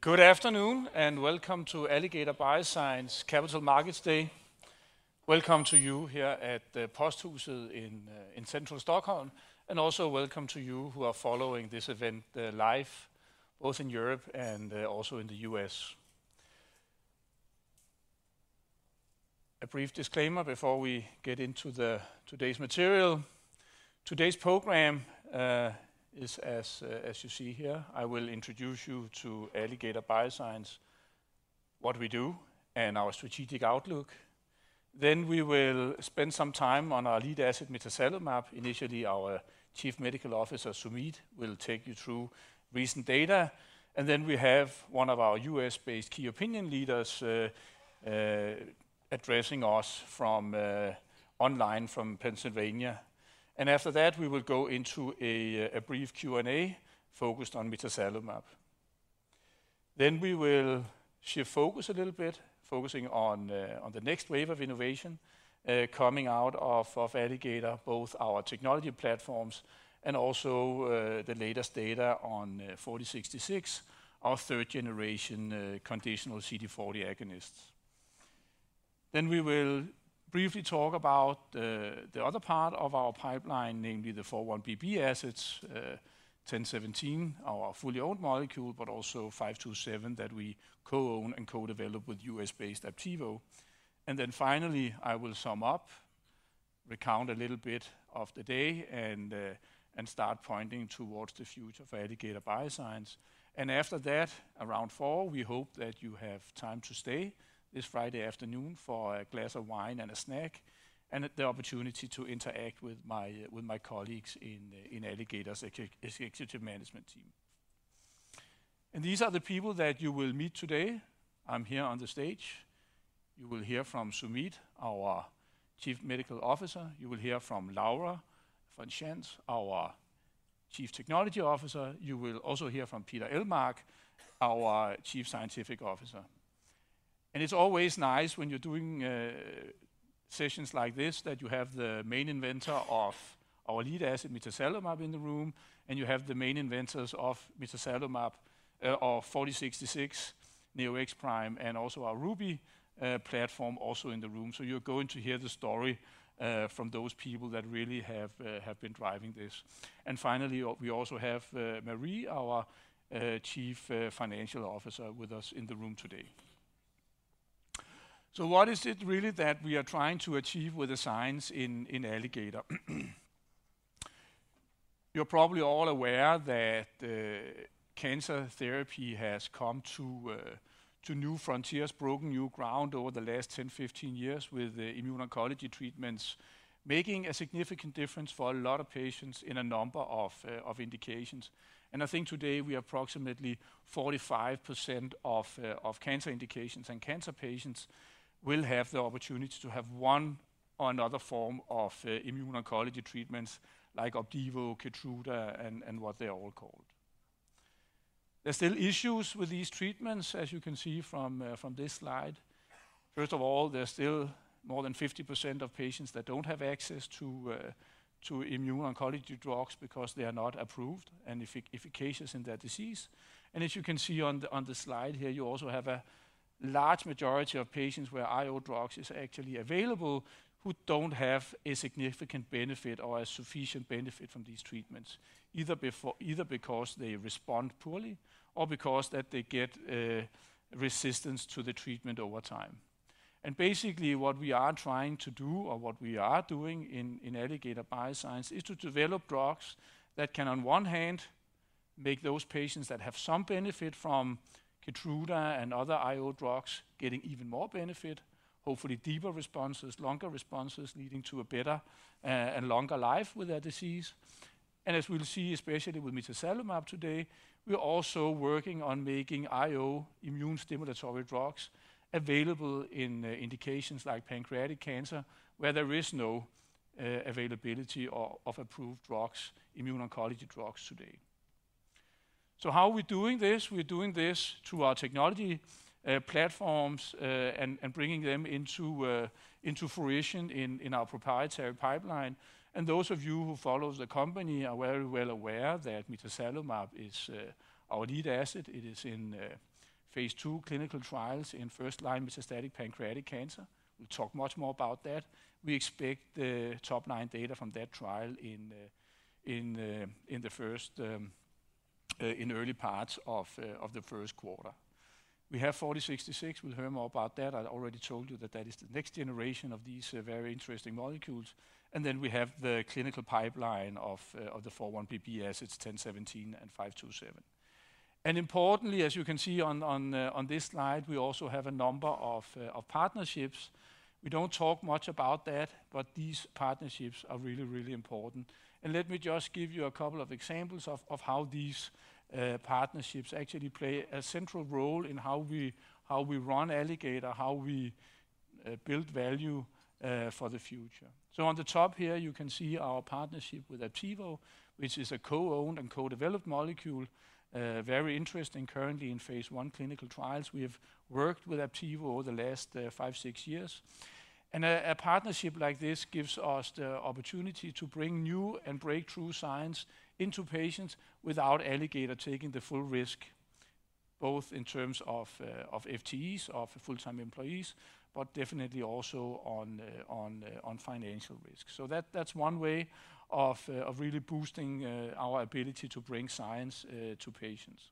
Good afternoon, and welcome to Alligator Bioscience Capital Markets Day. Welcome to you here at the Posthuset in central Stockholm, and also welcome to you who are following this event live, both in Europe and also in the U.S. A brief disclaimer before we get into today's material. Today's program is as you see here. I will introduce you to Alligator Bioscience, what we do, and our strategic outlook. Then we will spend some time on our lead asset, mitazalimab. Initially, our Chief Medical Officer, Sumeet, will take you through recent data, and then we have one of our U.S.-based key opinion leaders addressing us online from Pennsylvania. After that, we will go into a brief Q&A focused on mitazalimab. Then we will shift focus a little bit, focusing on the next wave of innovation coming out of Alligator, both our technology platforms and also the latest data on 4066, our third-generation conditional CD40 agonists. Then we will briefly talk about the other part of our pipeline, namely the 4-1BB assets, 1017, our fully owned molecule, but also 527 that we co-own and co-develop with U.S.-based Aptevo. And then finally, I will sum up, recount a little bit of the day, and start pointing towards the future for Alligator Bioscience. And after that, around four, we hope that you have time to stay this Friday afternoon for a glass of wine and a snack, and the opportunity to interact with my colleagues in Alligator's executive management team. These are the people that you will meet today. I'm here on the stage. You will hear from Sumeet, our Chief Medical Officer. You will hear from Laura von Schantz, our Chief Technology Officer. You will also hear from Peter Ellmark, our Chief Scientific Officer. It's always nice when you're doing sessions like this, that you have the main inventor of our lead asset, mitazalimab, in the room, and you have the main inventors of mitazalimab, of ATOR-4066, Neo-X-Prime, and also our RUBY platform also in the room. So you're going to hear the story from those people that really have been driving this. And finally, we also have Marie, our Chief Financial Officer, with us in the room today. So what is it really that we are trying to achieve with the science in Alligator? You're probably all aware that cancer therapy has come to new frontiers, broken new ground over the last 10, 15 years with immuno-oncology treatments, making a significant difference for a lot of patients in a number of indications. And I think today, we approximately 45% of cancer indications and cancer patients will have the opportunity to have one or another form of immuno-oncology treatments like Opdivo, Keytruda, and what they are all called. There's still issues with these treatments, as you can see from this slide. First of all, there's still more than 50% of patients that don't have access to immuno-oncology drugs because they are not approved and efficacious in their disease. As you can see on the slide here, you also have a large majority of patients where IO drugs is actually available, who don't have a significant benefit or a sufficient benefit from these treatments, either because they respond poorly or because that they get resistance to the treatment over time. And basically, what we are trying to do or what we are doing in Alligator Bioscience, is to develop drugs that can, on one hand, make those patients that have some benefit from Keytruda and other IO drugs, getting even more benefit, hopefully deeper responses, longer responses, leading to a better and longer life with their disease. As we'll see, especially with mitazalimab today, we're also working on making IO immune stimulatory drugs available in indications like pancreatic cancer, where there is no availability of approved drugs, immuno-oncology drugs today. So how are we doing this? We're doing this through our technology platforms and bringing them into fruition in our proprietary pipeline. Those of you who follow the company are very well aware that mitazalimab is our lead asset. It is in phase II clinical trials in first-line metastatic pancreatic cancer. We'll talk much more about that. We expect the top-line data from that trial in the first in early parts of the first quarter. We have ATOR-4066. We'll hear more about that. I already told you that that is the next generation of these, very interesting molecules. And then we have the clinical pipeline of, of the 4-1BB assets, ATOR-1017, and ALG.APV-527. And importantly, as you can see on, on, on this slide, we also have a number of, of partnerships. We don't talk much about that, but these partnerships are really, really important. And let me just give you a couple of examples of, of how these, partnerships actually play a central role in how we, how we run Alligator, how we, build value, for the future. So on the top here, you can see our partnership with Aptevo, which is a co-owned and co-developed molecule. Very interesting, currently in phase I clinical trials. We have worked with Aptevo over the last, five, six years. A partnership like this gives us the opportunity to bring new and breakthrough science into patients without Alligator taking the full risk, both in terms of FTEs, of full-time employees, but definitely also on financial risk. So that's one way of really boosting our ability to bring science to patients.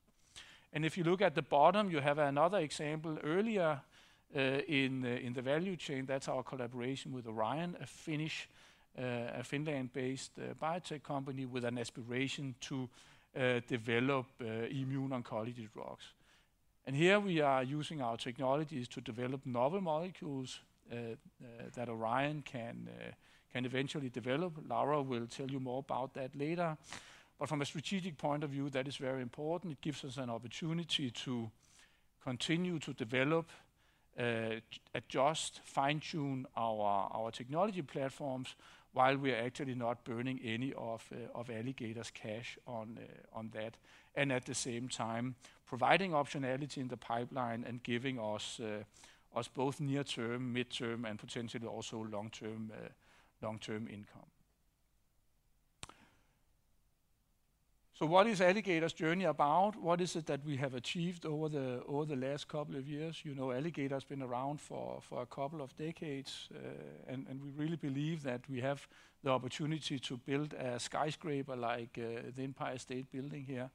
And if you look at the bottom, you have another example earlier in the value chain. That's our collaboration with Orion, a Finnish, a Finland-based biotech company with an aspiration to develop immuno-oncology drugs. And here we are using our technologies to develop novel molecules that Orion can eventually develop. Laura will tell you more about that later. But from a strategic point of view, that is very important. It gives us an opportunity to continue to develop, adjust, fine-tune our technology platforms while we are actually not burning any of Alligator's cash on that, and at the same time, providing optionality in the pipeline and giving us both near-term, mid-term, and potentially also long-term income. So what is Alligator's journey about? What is it that we have achieved over the last couple of years? You know, Alligator has been around for a couple of decades, and we really believe that we have the opportunity to build a skyscraper like the Empire State Building here.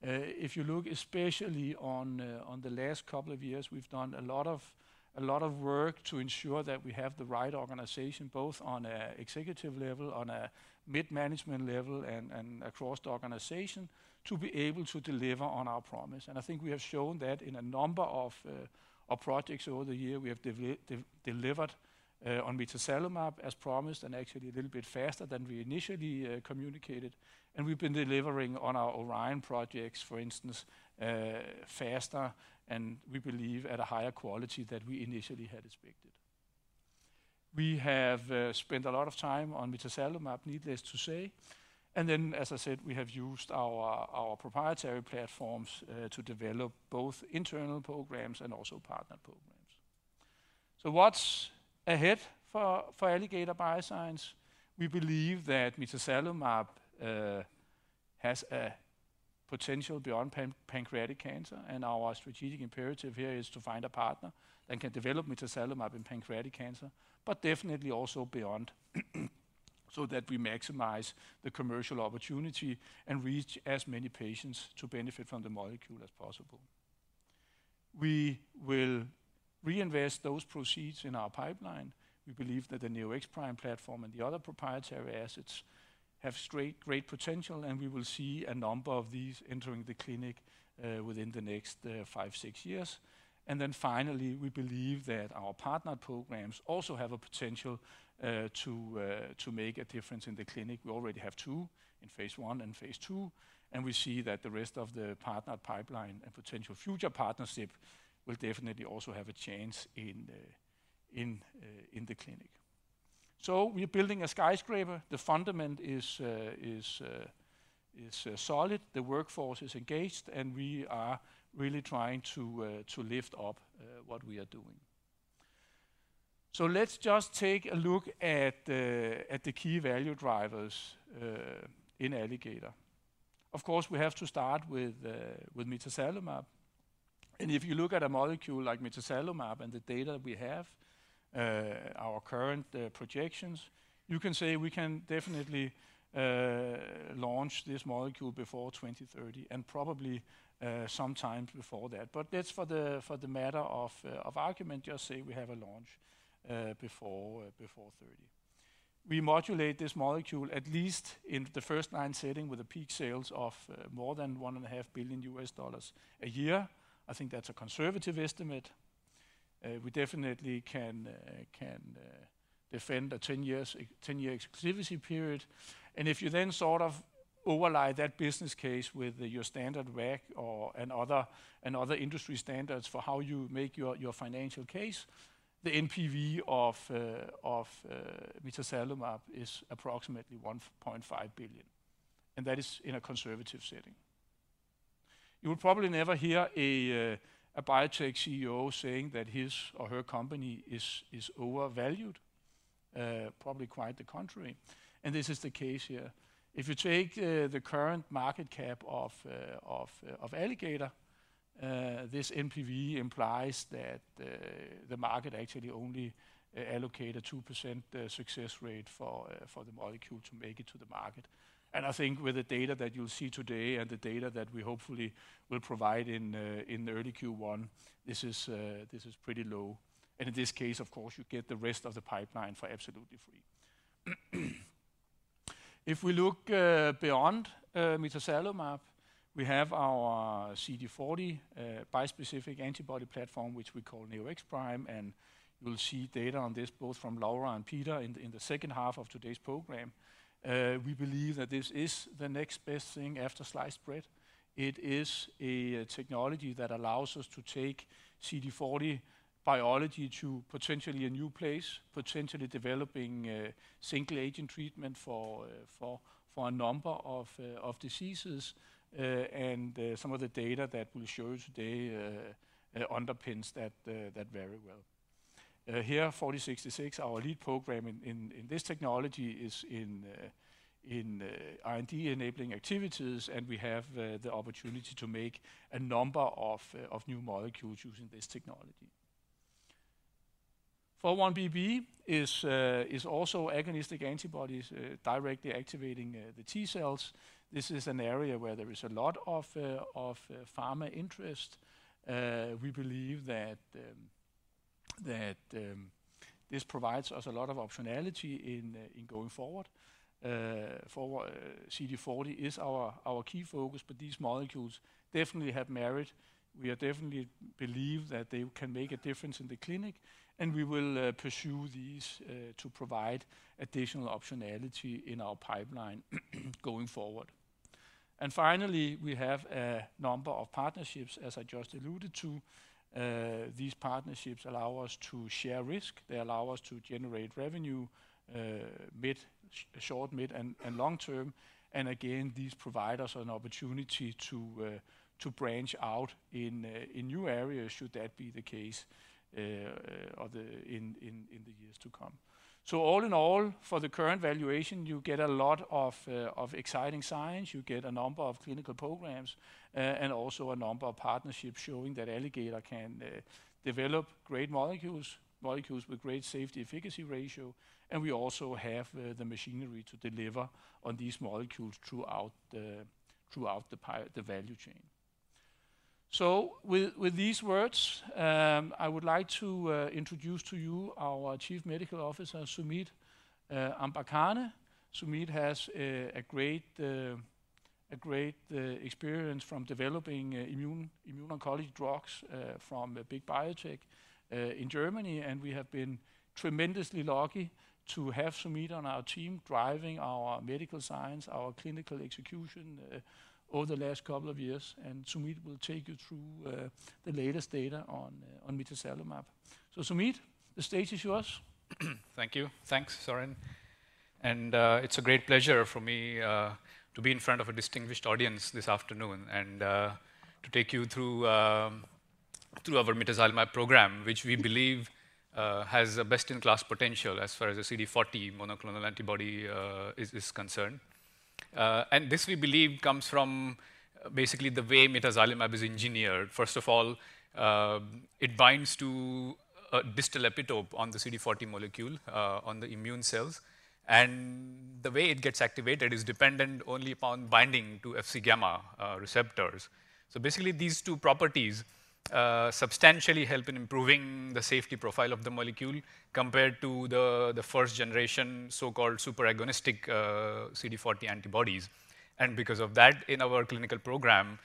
If you look, especially on, on the last couple of years, we've done a lot of, a lot of work to ensure that we have the right organization, both on a executive level, on a mid-management level, and, and across the organization, to be able to deliver on our promise. I think we have shown that in a number of, of projects over the year. We have delivered on mitazalimab as promised, and actually a little bit faster than we initially communicated. We've been delivering on our Orion projects, for instance, faster, and we believe at a higher quality than we initially had expected. We have spent a lot of time on mitazalimab, needless to say, and then, as I said, we have used our, our proprietary platforms to develop both internal programs and also partner programs. So what's ahead for Alligator Bioscience? We believe that mitazalimab has a potential beyond pancreatic cancer, and our strategic imperative here is to find a partner that can develop mitazalimab in pancreatic cancer, but definitely also beyond, so that we maximize the commercial opportunity and reach as many patients to benefit from the molecule as possible. We will reinvest those proceeds in our pipeline. We believe that the Neo-X-Prime platform and the other proprietary assets have great potential, and we will see a number of these entering the clinic within the next five, six years. And then finally, we believe that our partner programs also have a potential to make a difference in the clinic. We already have two in phase I and phase II, and we see that the rest of the partner pipeline and potential future partnership will definitely also have a chance in the clinic. So we are building a skyscraper. The fundament is solid, the workforce is engaged, and we are really trying to lift up what we are doing. So let's just take a look at the key value drivers in Alligator. Of course, we have to start with mitazalimab. And if you look at a molecule like mitazalimab and the data we have, our current projections, you can say we can definitely launch this molecule before 2030, and probably sometime before that. But let's for the, for the matter of, of argument, just say we have a launch, before, before 2030. We modulate this molecule, at least in the first-line setting, with a peak sales of, more than $1.5 billion a year. I think that's a conservative estimate. We definitely can, can, defend a 10-year exclusivity period. And if you then sort of overlay that business case with your standard WACC or, and other, and other industry standards for how you make your, your financial case, the NPV of, of, mitazalimab is approximately $1.5 billion, and that is in a conservative setting. You will probably never hear a, a biotech CEO saying that his or her company is, is overvalued. Probably quite the contrary, and this is the case here. If you take the current market cap of Alligator, this NPV implies that the market actually only allocate a 2% success rate for the molecule to make it to the market. And I think with the data that you'll see today and the data that we hopefully will provide in early Q1, this is pretty low. And in this case, of course, you get the rest of the pipeline for absolutely free. If we look beyond mitazalimab, we have our CD40 bispecific antibody platform, which we call Neo-X-Prime, and you will see data on this both from Laura and Peter in the second half of today's program. We believe that this is the next best thing after sliced bread. It is a technology that allows us to take CD40 biology to potentially a new place, potentially developing a single-agent treatment for a number of diseases. And some of the data that we'll show you today underpins that very well. Here, ATOR-4066, our lead program in this technology is in R&D enabling activities, and we have the opportunity to make a number of new molecules using this technology. 4-1BB is also agonistic antibodies, directly activating the T cells. This is an area where there is a lot of pharma interest. We believe that this provides us a lot of optionality in going forward. For CD40 is our key focus, but these molecules definitely have merit. We are definitely believe that they can make a difference in the clinic, and we will pursue these to provide additional optionality in our pipeline going forward. And finally, we have a number of partnerships, as I just alluded to. These partnerships allow us to share risk. They allow us to generate revenue, short, mid, and long term. And again, these provide us an opportunity to branch out in new areas, should that be the case, or in the years to come. So all in all, for the current valuation, you get a lot of exciting science. You get a number of clinical programs, and also a number of partnerships showing that Alligator can develop great molecules, molecules with great safety-efficacy ratio, and we also have the machinery to deliver on these molecules throughout the value chain. So with these words, I would like to introduce to you our Chief Medical Officer, Sumeet Ambarkhane. Sumeet has a great experience from developing immuno-oncology drugs from a big biotech in Germany. And we have been tremendously lucky to have Sumeet on our team, driving our medical science, our clinical execution over the last couple of years. And Sumeet will take you through the latest data on mitazalimab. So, Sumeet, the stage is yours. Thank you. Thanks, Søren. It's a great pleasure for me to be in front of a distinguished audience this afternoon and to take you through our mitazalimab program, which we believe has a best-in-class potential as far as the CD40 monoclonal antibody is concerned. This, we believe, comes from basically the way mitazalimab is engineered. First of all, it binds to a distal epitope on the CD40 molecule on the immune cells, and the way it gets activated is dependent only upon binding to Fc gamma receptors. So basically, these two properties substantially help in improving the safety profile of the molecule compared to the first-generation, so-called super agonistic CD40 antibodies. Because of that, in our clinical program,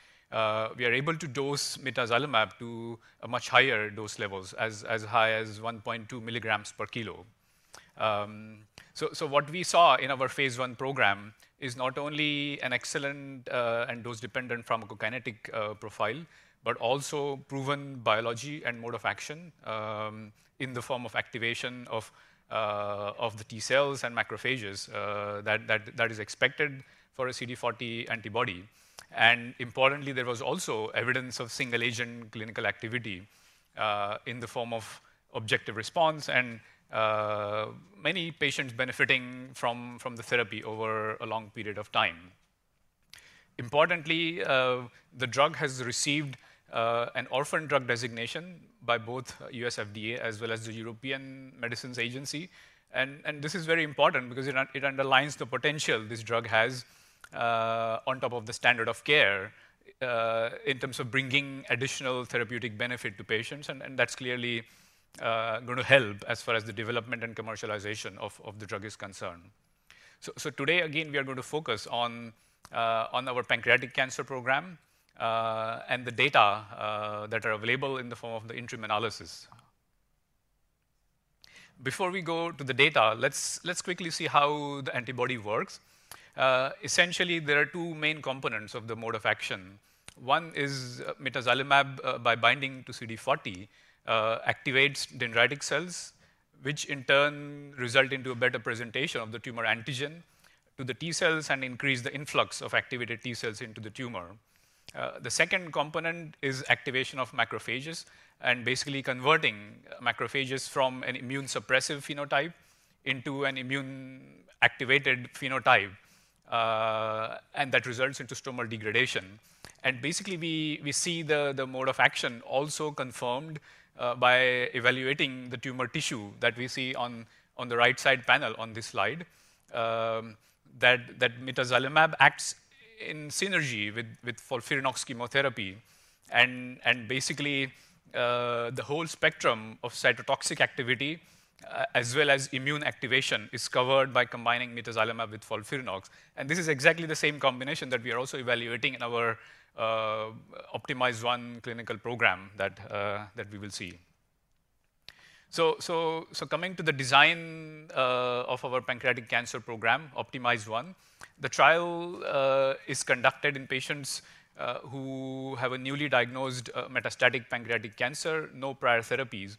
we are able to dose mitazalimab to much higher dose levels, as high as 1.2 milligrams per kilo. So what we saw in our phase I program is not only an excellent and dose-dependent pharmacokinetic profile, but also proven biology and mode of action, in the form of activation of the T cells and macrophages that is expected for a CD40 antibody. And importantly, there was also evidence of single-agent clinical activity, in the form of objective response and many patients benefiting from the therapy over a long period of time. Importantly, the drug has received an orphan drug designation by both U.S. FDA as well as the European Medicines Agency. This is very important because it underlines the potential this drug has on top of the standard of care in terms of bringing additional therapeutic benefit to patients, and that's clearly going to help as far as the development and commercialization of the drug is concerned. Today, again, we are going to focus on our pancreatic cancer program and the data that are available in the form of the interim analysis. Before we go to the data, let's quickly see how the antibody works. Essentially, there are two main components of the mode of action. One is mitazalimab, by binding to CD40, activates dendritic cells, which in turn result into a better presentation of the tumor antigen to the T cells and increase the influx of activated T cells into the tumor. The second component is activation of macrophages and basically converting macrophages from an immune suppressive phenotype into an immune-activated phenotype, and that results into stromal degradation. Basically, we see the mode of action also confirmed by evaluating the tumor tissue that we see on the right side panel on this slide, that mitazalimab acts in synergy with FOLFIRINOX chemotherapy. Basically, the whole spectrum of cytotoxic activity, as well as immune activation, is covered by combining mitazalimab with FOLFIRINOX. This is exactly the same combination that we are also evaluating in our OPTIMIZE-1 clinical program that we will see. So coming to the design of our pancreatic cancer program, OPTIMIZE-1, the trial is conducted in patients who have a newly diagnosed metastatic pancreatic cancer, no prior therapies.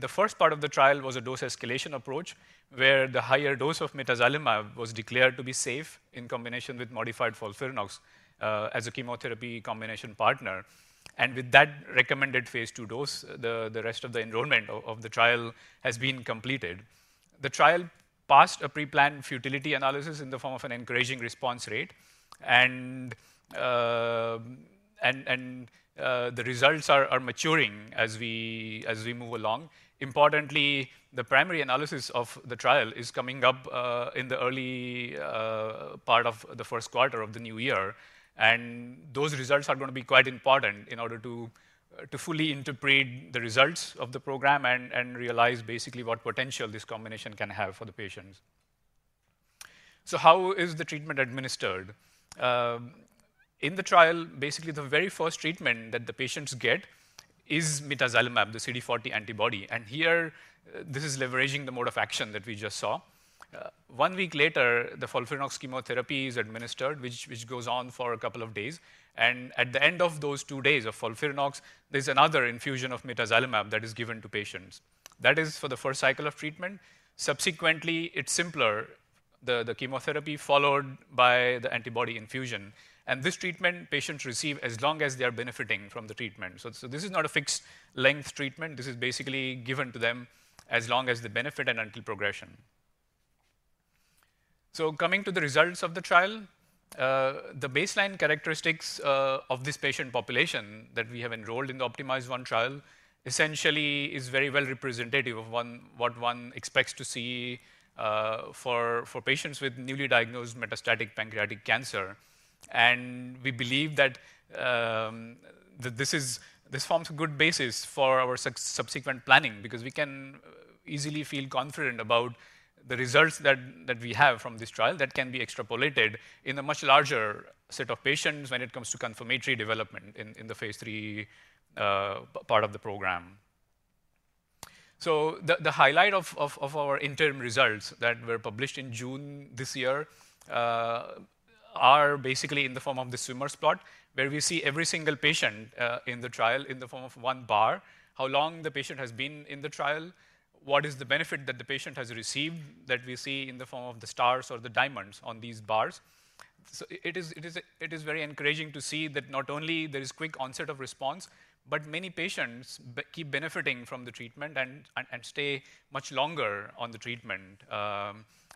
The first part of the trial was a dose-escalation approach, where the higher dose of mitazalimab was declared to be safe in combination with modified FOLFIRINOX as a chemotherapy combination partner. With that recommended Phase II dose, the rest of the enrollment of the trial has been completed. The trial passed a pre-planned futility analysis in the form of an encouraging response rate, and the results are maturing as we move along. Importantly, the primary analysis of the trial is coming up in the early part of the first quarter of the new year, and those results are going to be quite important in order to fully interpret the results of the program and realize basically what potential this combination can have for the patients. So how is the treatment administered? In the trial, basically the very first treatment that the patients get is mitazalimab, the CD40 antibody. And here, this is leveraging the mode of action that we just saw. One week later, the FOLFIRINOX chemotherapy is administered, which goes on for a couple of days. And at the end of those two days of FOLFIRINOX, there's another infusion of mitazalimab that is given to patients. That is for the first cycle of treatment. Subsequently, it's simpler, the chemotherapy followed by the antibody infusion, and this treatment patients receive as long as they are benefiting from the treatment. So this is not a fixed length treatment. This is basically given to them as long as they benefit and until progression. So coming to the results of the trial, the baseline characteristics of this patient population that we have enrolled in the OPTIMIZE-1 trial essentially is very well representative of what one expects to see for patients with newly diagnosed metastatic pancreatic cancer. We believe that this forms a good basis for our subsequent planning, because we can easily feel confident about the results that we have from this trial that can be extrapolated in a much larger set of patients when it comes to confirmatory development in the phase III part of the program. The highlight of our interim results that were published in June this year are basically in the form of the swimmer plot, where we see every single patient in the trial in the form of one bar, how long the patient has been in the trial, what is the benefit that the patient has received, that we see in the form of the stars or the diamonds on these bars. It is very encouraging to see that not only there is quick onset of response, but many patients keep benefiting from the treatment and stay much longer on the treatment,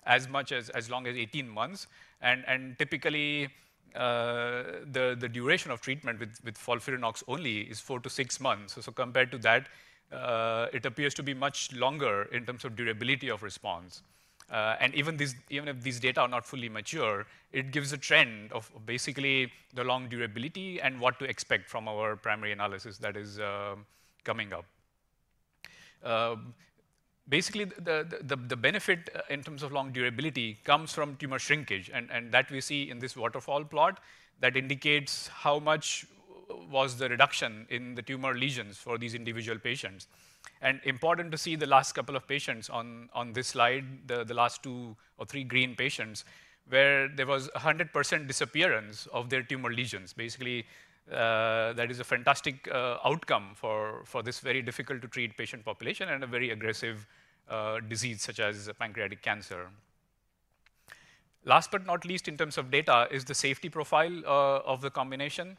as much as 18 months. And typically, the duration of treatment with FOLFIRINOX only is 4-6 months. So compared to that, it appears to be much longer in terms of durability of response. And even if these data are not fully mature, it gives a trend of basically the long durability and what to expect from our primary analysis that is coming up. Basically, the benefit in terms of long durability comes from tumor shrinkage, and that we see in this waterfall plot, that indicates how much was the reduction in the tumor lesions for these individual patients. Important to see the last couple of patients on this slide, the last two or three green patients, where there was a 100% disappearance of their tumor lesions. Basically, that is a fantastic outcome for this very difficult-to-treat patient population and a very aggressive disease such as pancreatic cancer. Last but not least, in terms of data, is the safety profile of the combination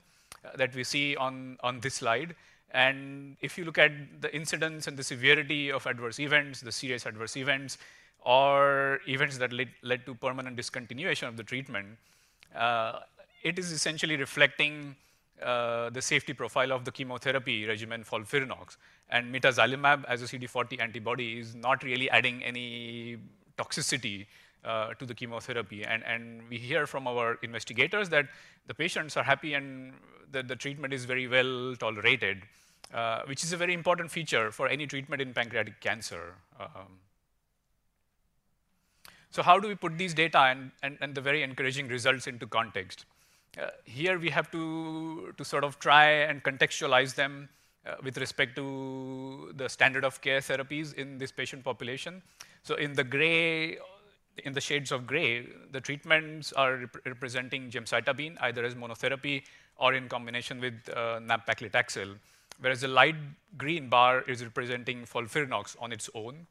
that we see on this slide. If you look at the incidence and the severity of adverse events, the serious adverse events or events that led to permanent discontinuation of the treatment, it is essentially reflecting the safety profile of the chemotherapy regimen FOLFIRINOX. And mitazalimab, as a CD40 antibody, is not really adding any toxicity to the chemotherapy. And we hear from our investigators that the patients are happy and that the treatment is very well-tolerated, which is a very important feature for any treatment in pancreatic cancer. So how do we put these data and the very encouraging results into context? Here we have to sort of try and contextualize them with respect to the standard of care therapies in this patient population. So in the gray, in the shades of gray, the treatments are representing gemcitabine, either as monotherapy or in combination with nab-paclitaxel, whereas the light green bar is representing FOLFIRINOX on its own,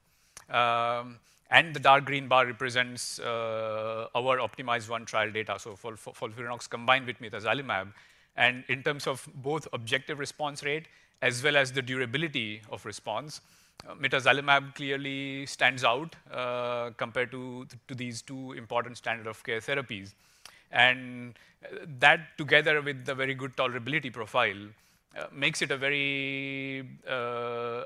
and the dark green bar represents our OPTIMIZE-1 trial data, so FOLFIRINOX combined with mitazalimab. In terms of both objective response rate as well as the durability of response, mitazalimab clearly stands out, compared to these two important standard of care therapies. That, together with the very good tolerability profile, makes it a very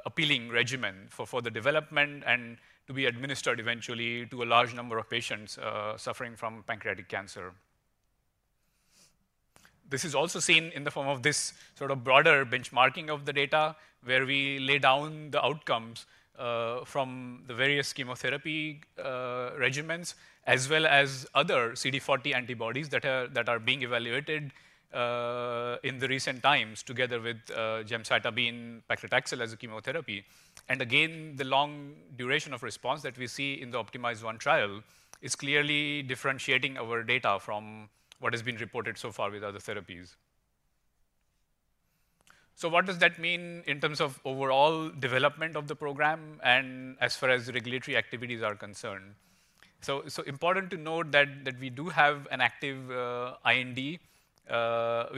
appealing regimen for the development and to be administered eventually to a large number of patients suffering from pancreatic cancer. This is also seen in the form of this sort of broader benchmarking of the data, where we lay down the outcomes from the various chemotherapy regimens, as well as other CD40 antibodies that are being evaluated in the recent times, together with gemcitabine, paclitaxel as a chemotherapy. And again, the long duration of response that we see in the OPTIMIZE-1 trial is clearly differentiating our data from what has been reported so far with other therapies. So what does that mean in terms of overall development of the program and as far as regulatory activities are concerned? So important to note that we do have an active IND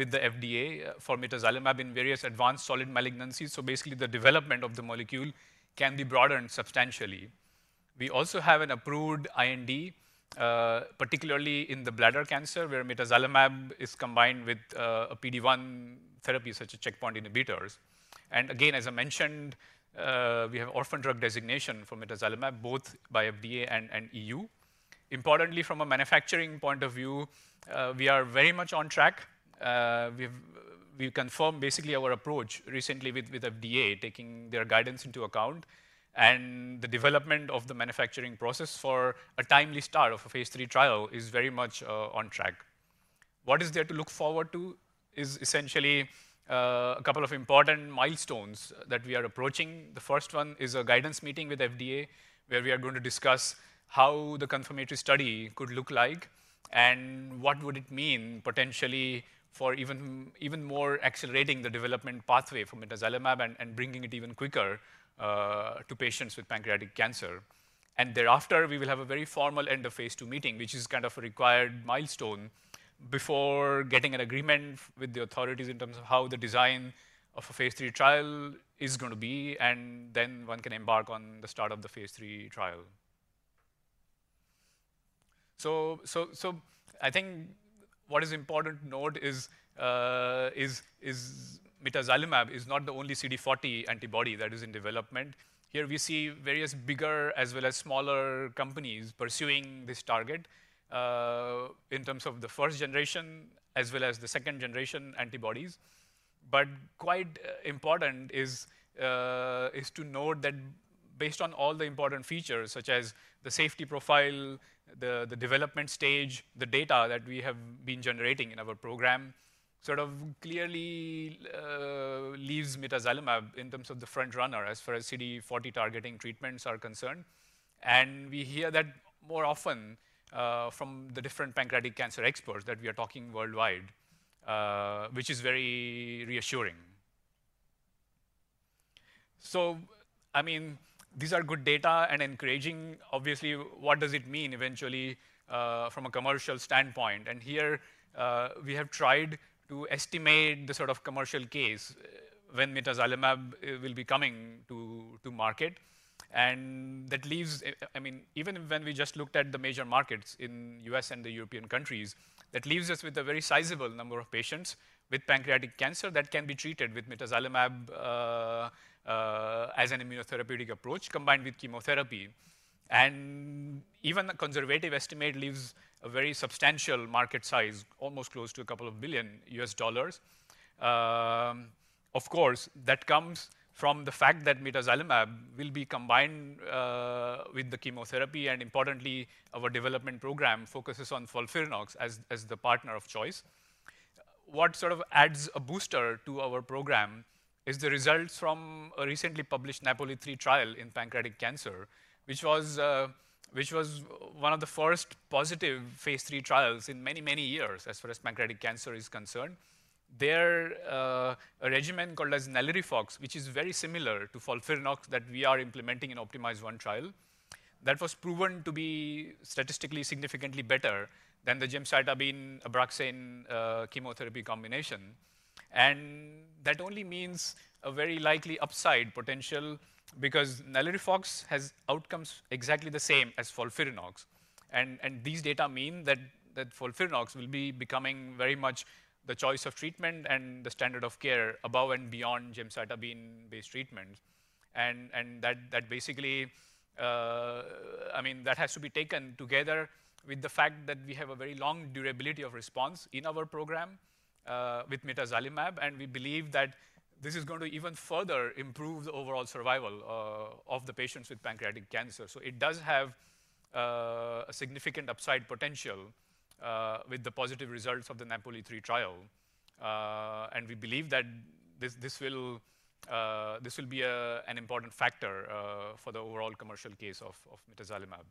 with the FDA for mitazalimab in various advanced solid malignancies. So basically, the development of the molecule can be broadened substantially. We also have an approved IND, particularly in the bladder cancer, where mitazalimab is combined with a PD-1 therapy, such as checkpoint inhibitors. And again, as I mentioned, we have orphan drug designation for mitazalimab, both by FDA and E.U. Importantly, from a manufacturing point of view, we are very much on track. We've confirmed basically our approach recently with FDA, taking their guidance into account, and the development of the manufacturing process for a timely start of a phase III trial is very much on track. What is there to look forward to is essentially a couple of important milestones that we are approaching. The first one is a guidance meeting with FDA, where we are going to discuss how the confirmatory study could look like and what would it mean potentially for even, even more accelerating the development pathway for mitazalimab and, and bringing it even quicker, to patients with pancreatic cancer. And thereafter, we will have a very formal end of phase II meeting, which is kind of a required milestone before getting an agreement with the authorities in terms of how the design of a phase III trial is gonna be, and then one can embark on the start of the phase III trial. So, I think what is important to note is, mitazalimab is not the only CD40 antibody that is in development. Here we see various bigger as well as smaller companies pursuing this target, in terms of the first generation as well as the second-generation antibodies. But quite important is to note that based on all the important features, such as the safety profile, the development stage, the data that we have been generating in our program, sort of clearly leaves mitazalimab in terms of the front runner as far as CD40 targeting treatments are concerned. And we hear that more often from the different pancreatic cancer experts that we are talking worldwide, which is very reassuring. So I mean, these are good data and encouraging. Obviously, what does it mean eventually from a commercial standpoint? And here we have tried to estimate the sort of commercial case when mitazalimab will be coming to market. That leaves, I mean, even when we just looked at the major markets in U.S. and the European countries, that leaves us with a very sizable number of patients with pancreatic cancer that can be treated with mitazalimab as an immunotherapeutic approach, combined with chemotherapy. Even the conservative estimate leaves a very substantial market size, almost close to $2 billion. Of course, that comes from the fact that mitazalimab will be combined with the chemotherapy, and importantly, our development program focuses on FOLFIRINOX as the partner of choice. What sort of adds a booster to our program is the results from a recently published NAPOLI-3 trial in pancreatic cancer, which was one of the first positive phase III trials in many, many years as far as pancreatic cancer is concerned. Their regimen, called as NALIRIFOX, which is very similar to FOLFIRINOX that we are implementing in OPTIMIZE-1 trial, that was proven to be statistically significantly better than the gemcitabine/Abraxane chemotherapy combination. And that only means a very likely upside potential, because NALIRIFOX has outcomes exactly the same as FOLFIRINOX. And these data mean that FOLFIRINOX will be becoming very much the choice of treatment and the standard of care above and beyond gemcitabine-based treatment. And that basically, I mean, that has to be taken together with the fact that we have a very long durability of response in our program with mitazalimab, and we believe that this is going to even further improve the overall survival of the patients with pancreatic cancer. So it does have a significant upside potential with the positive results of the NAPOLI-3 trial. And we believe that this, this will, this will be a, an important factor, for the overall commercial case of, of mitazalimab.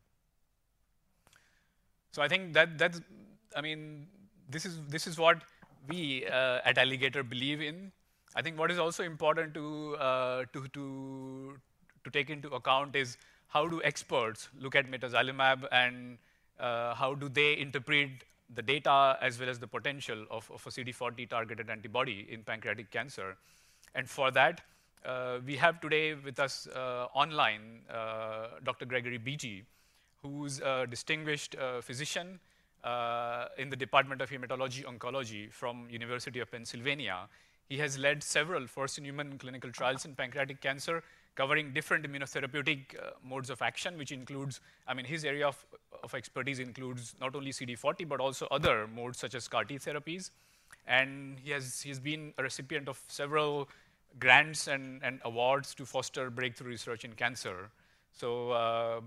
So I think that, that's—I mean, this is, this is what we, at Alligator believe in. I think what is also important to, to, to, to take into account is how do experts look at mitazalimab, and, how do they interpret the data as well as the potential of, of a CD40-targeted antibody in pancreatic cancer? And for that, we have today with us, online, Dr. Gregory Beatty, who's a distinguished, physician, in the Department of Hematology Oncology from University of Pennsylvania. He has led several first-in-human clinical trials in pancreatic cancer, covering different immunotherapeutic modes of action. I mean, his area of expertise includes not only CD40, but also other modes, such as CAR-T therapies. And he's been a recipient of several grants and awards to foster breakthrough research in cancer. So,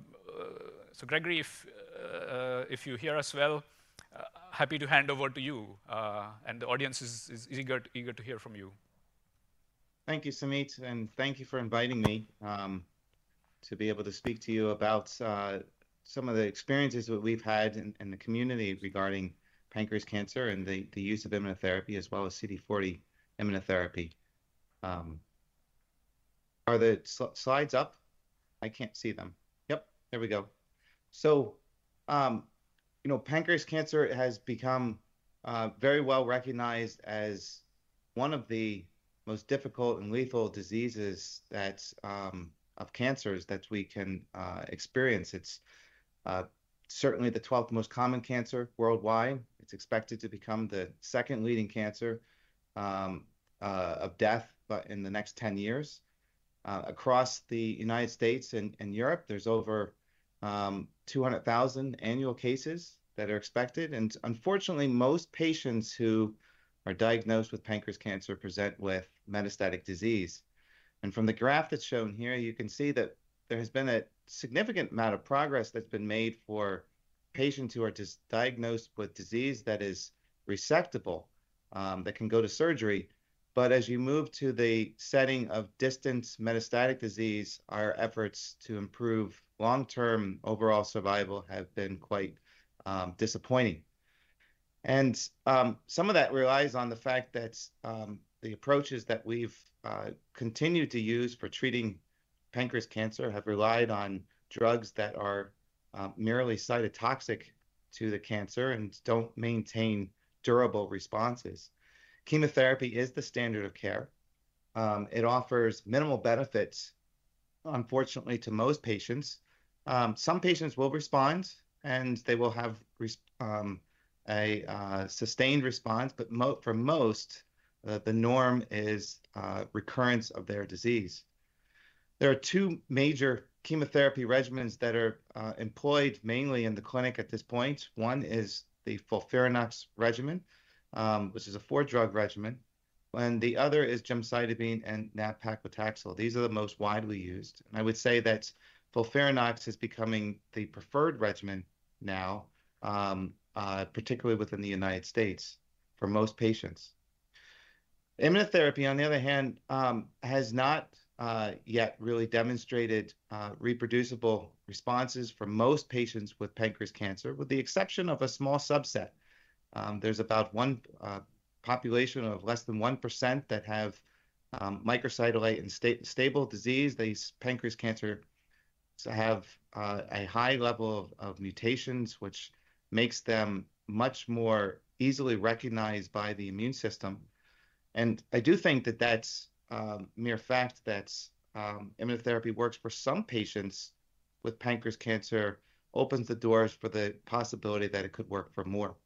Gregory, if you hear us well, happy to hand over to you, and the audience is eager to hear from you. Thank you, Sumeet, and thank you for inviting me to be able to speak to you about some of the experiences that we've had in the community regarding pancreas cancer and the use of immunotherapy as well as CD40 immunotherapy. Are the slides up? I can't see them. Yep, there we go. So, you know, pancreas cancer has become very well-recognized as one of the most difficult and lethal diseases of cancers that we can experience. It's certainly the 12th most common cancer worldwide. It's expected to become the second leading cancer of death in the next 10 years. Across the United States and Europe, there's over 200,000 annual cases that are expected, and unfortunately, most patients who are diagnosed with pancreas cancer present with metastatic disease. From the graph that's shown here, you can see that there has been a significant amount of progress that's been made for patients who are diagnosed with disease that is resectable, that can go to surgery. But as you move to the setting of distant metastatic disease, our efforts to improve long-term overall survival have been quite disappointing. Some of that relies on the fact that the approaches that we've continued to use for treating pancreatic cancer have relied on drugs that are merely cytotoxic to the cancer and don't maintain durable responses. Chemotherapy is the standard of care. It offers minimal benefits, unfortunately, to most patients. Some patients will respond, and they will have a sustained response, but for most, the norm is recurrence of their disease. There are two major chemotherapy regimens that are employed mainly in the clinic at this point. One is the FOLFIRINOX regimen, which is a four-drug regimen, and the other is gemcitabine and nab-paclitaxel. These are the most widely used, and I would say that FOLFIRINOX is becoming the preferred regimen now, particularly within the United States, for most patients. Immunotherapy, on the other hand, has not yet really demonstrated reproducible responses for most patients with pancreatic cancer, with the exception of a small subset. There's about one population of less than 1% that have microsatellite unstable disease. These pancreatic cancers have a high level of mutations, which makes them much more easily recognized by the immune system, and I do think that that's the mere fact that immunotherapy works for some patients with pancreatic cancer opens the doors for the possibility that it could work for more.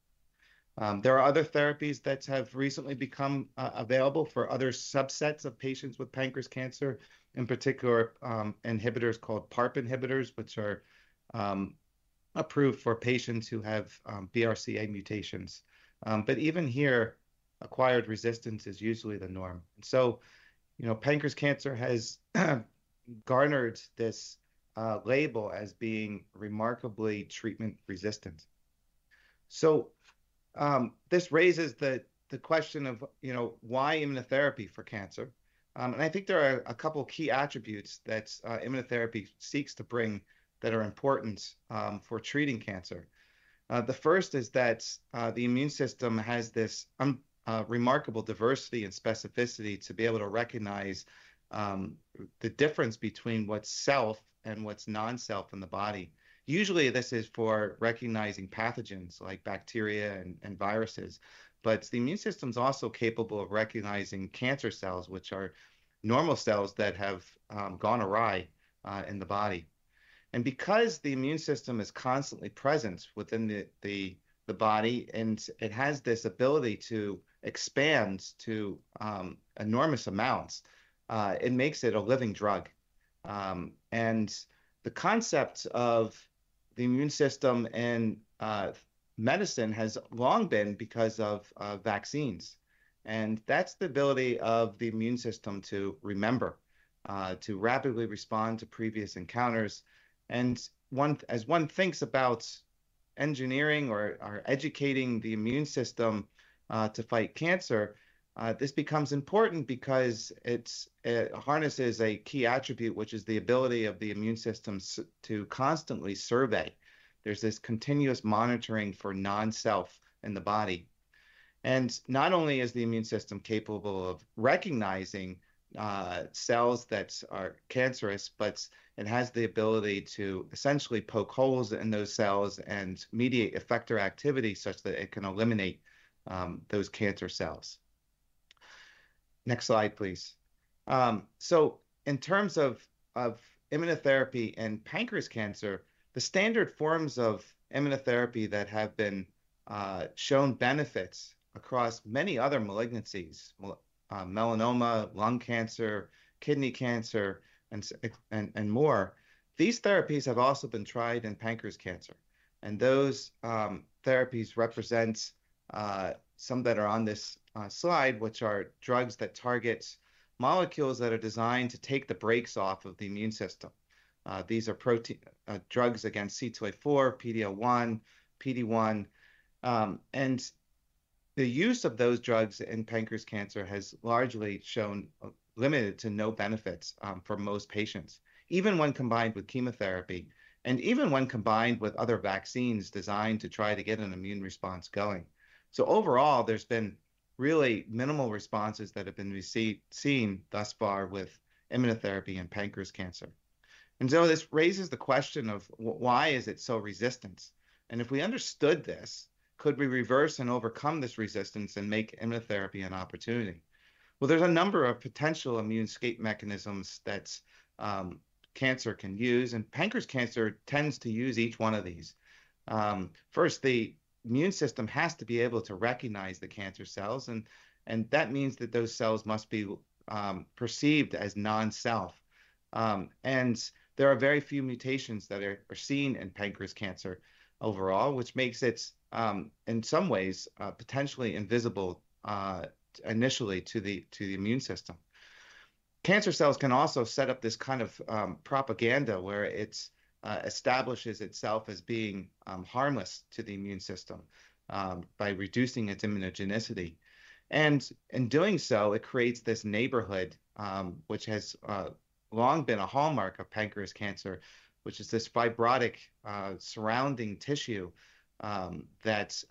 There are other therapies that have recently become available for other subsets of patients with pancreatic cancer, in particular, inhibitors called PARP inhibitors, which are approved for patients who have BRCA mutations. But even here, acquired resistance is usually the norm. So, you know, pancreatic cancer has garnered this label as being remarkably treatment-resistant. So, this raises the question of, you know, why immunotherapy for cancer? And I think there are a couple of key attributes that immunotherapy seeks to bring that are important for treating cancer. The first is that the immune system has this remarkable diversity and specificity to be able to recognize the difference between what's self and what's non-self in the body. Usually, this is for recognizing pathogens like bacteria and viruses, but the immune system's also capable of recognizing cancer cells, which are normal cells that have gone awry in the body. And because the immune system is constantly present within the body, and it has this ability to expand to enormous amounts, it makes it a living drug. The concept of the immune system and medicine has long been because of vaccines, and that's the ability of the immune system to remember to rapidly respond to previous encounters. As one thinks about engineering or educating the immune system to fight cancer, this becomes important because it harnesses a key attribute, which is the ability of the immune system to constantly survey. There's this continuous monitoring for non-self in the body, and not only is the immune system capable of recognizing cells that are cancerous, but it has the ability to essentially poke holes in those cells and mediate effector activity such that it can eliminate those cancer cells. Next slide, please. So in terms of immunotherapy and pancreas cancer, the standard forms of immunotherapy that have been shown benefits across many other malignancies, well, melanoma, lung cancer, kidney cancer, and more, these therapies have also been tried in pancreas cancer. And those therapies represent some that are on this slide, which are drugs that target molecules that are designed to take the brakes off of the immune system. These are drugs against CTLA-4, PD-L1, PD-1. And the use of those drugs in pancreas cancer has largely shown limited to no benefits for most patients, even when combined with chemotherapy and even when combined with other vaccines designed to try to get an immune response going. So overall, there's really minimal responses that have been received, seen thus far with immunotherapy in pancreas cancer. And so this raises the question of why is it so resistant? And if we understood this, could we reverse and overcome this resistance and make immunotherapy an opportunity? Well, there's a number of potential immune escape mechanisms that cancer can use, and pancreas cancer tends to use each one of these. First, the immune system has to be able to recognize the cancer cells, and that means that those cells must be perceived as non-self. And there are very few mutations that are seen in pancreas cancer overall, which makes it in some ways potentially invisible initially to the immune system. Cancer cells can also set up this kind of propaganda, where it establishes itself as being harmless to the immune system by reducing its immunogenicity. In doing so, it creates this neighborhood, which has long been a hallmark of pancreas cancer, which is this fibrotic surrounding tissue that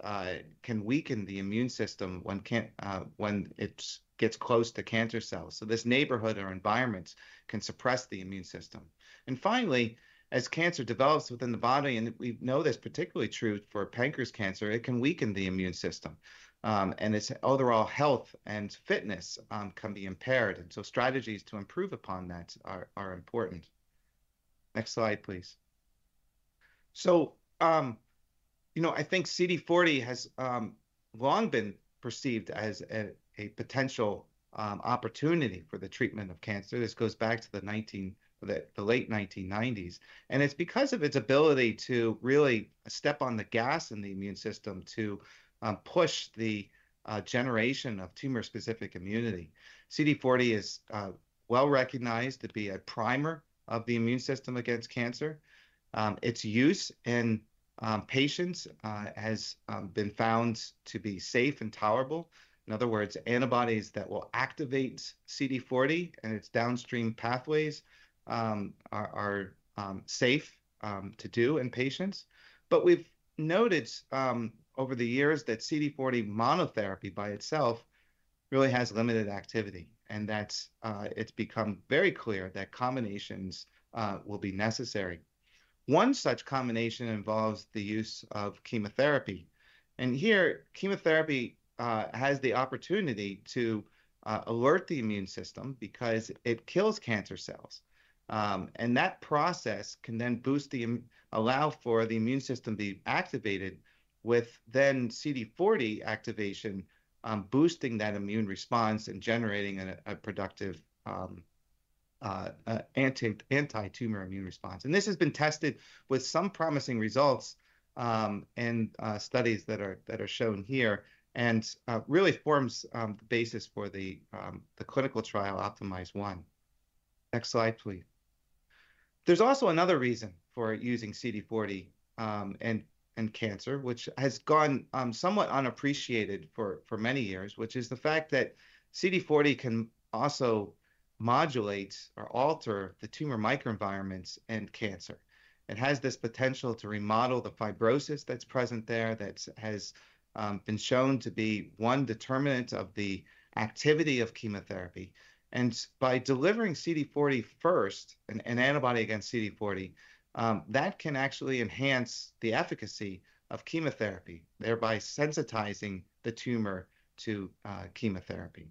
can weaken the immune system when it gets close to cancer cells. So this neighborhood or environment can suppress the immune system. And finally, as cancer develops within the body, and we know this is particularly true for pancreas cancer, it can weaken the immune system, and its overall health and fitness can be impaired. And so strategies to improve upon that are important. Next slide, please. So, you know, I think CD40 has long been perceived as a potential opportunity for the treatment of cancer. This goes back to the late 1990s. It's because of its ability to really step on the gas in the immune system to push the generation of tumor-specific immunity. CD40 is well-recognized to be a primer of the immune system against cancer. Its use in patients has been found to be safe and tolerable. In other words, antibodies that will activate CD40 and its downstream pathways are safe to do in patients. But we've noticed over the years that CD40 monotherapy by itself really has limited activity, and it's become very clear that combinations will be necessary. One such combination involves the use of chemotherapy. Here, chemotherapy has the opportunity to alert the immune system because it kills cancer cells. And that process can then allow for the immune system to be activated, with the CD40 activation boosting that immune response and generating a productive anti-tumor immune response. And this has been tested with some promising results in studies that are shown here, and really forms the basis for the clinical trial, OPTIMIZE-1. Next slide, please. There's also another reason for using CD40 in cancer, which has gone somewhat unappreciated for many years, which is the fact that CD40 can also modulate or alter the tumor microenvironments in cancer. It has this potential to remodel the fibrosis that's present there, that has been shown to be one determinant of the activity of chemotherapy. By delivering CD40 first, an antibody against CD40 that can actually enhance the efficacy of chemotherapy, thereby sensitizing the tumor to chemotherapy.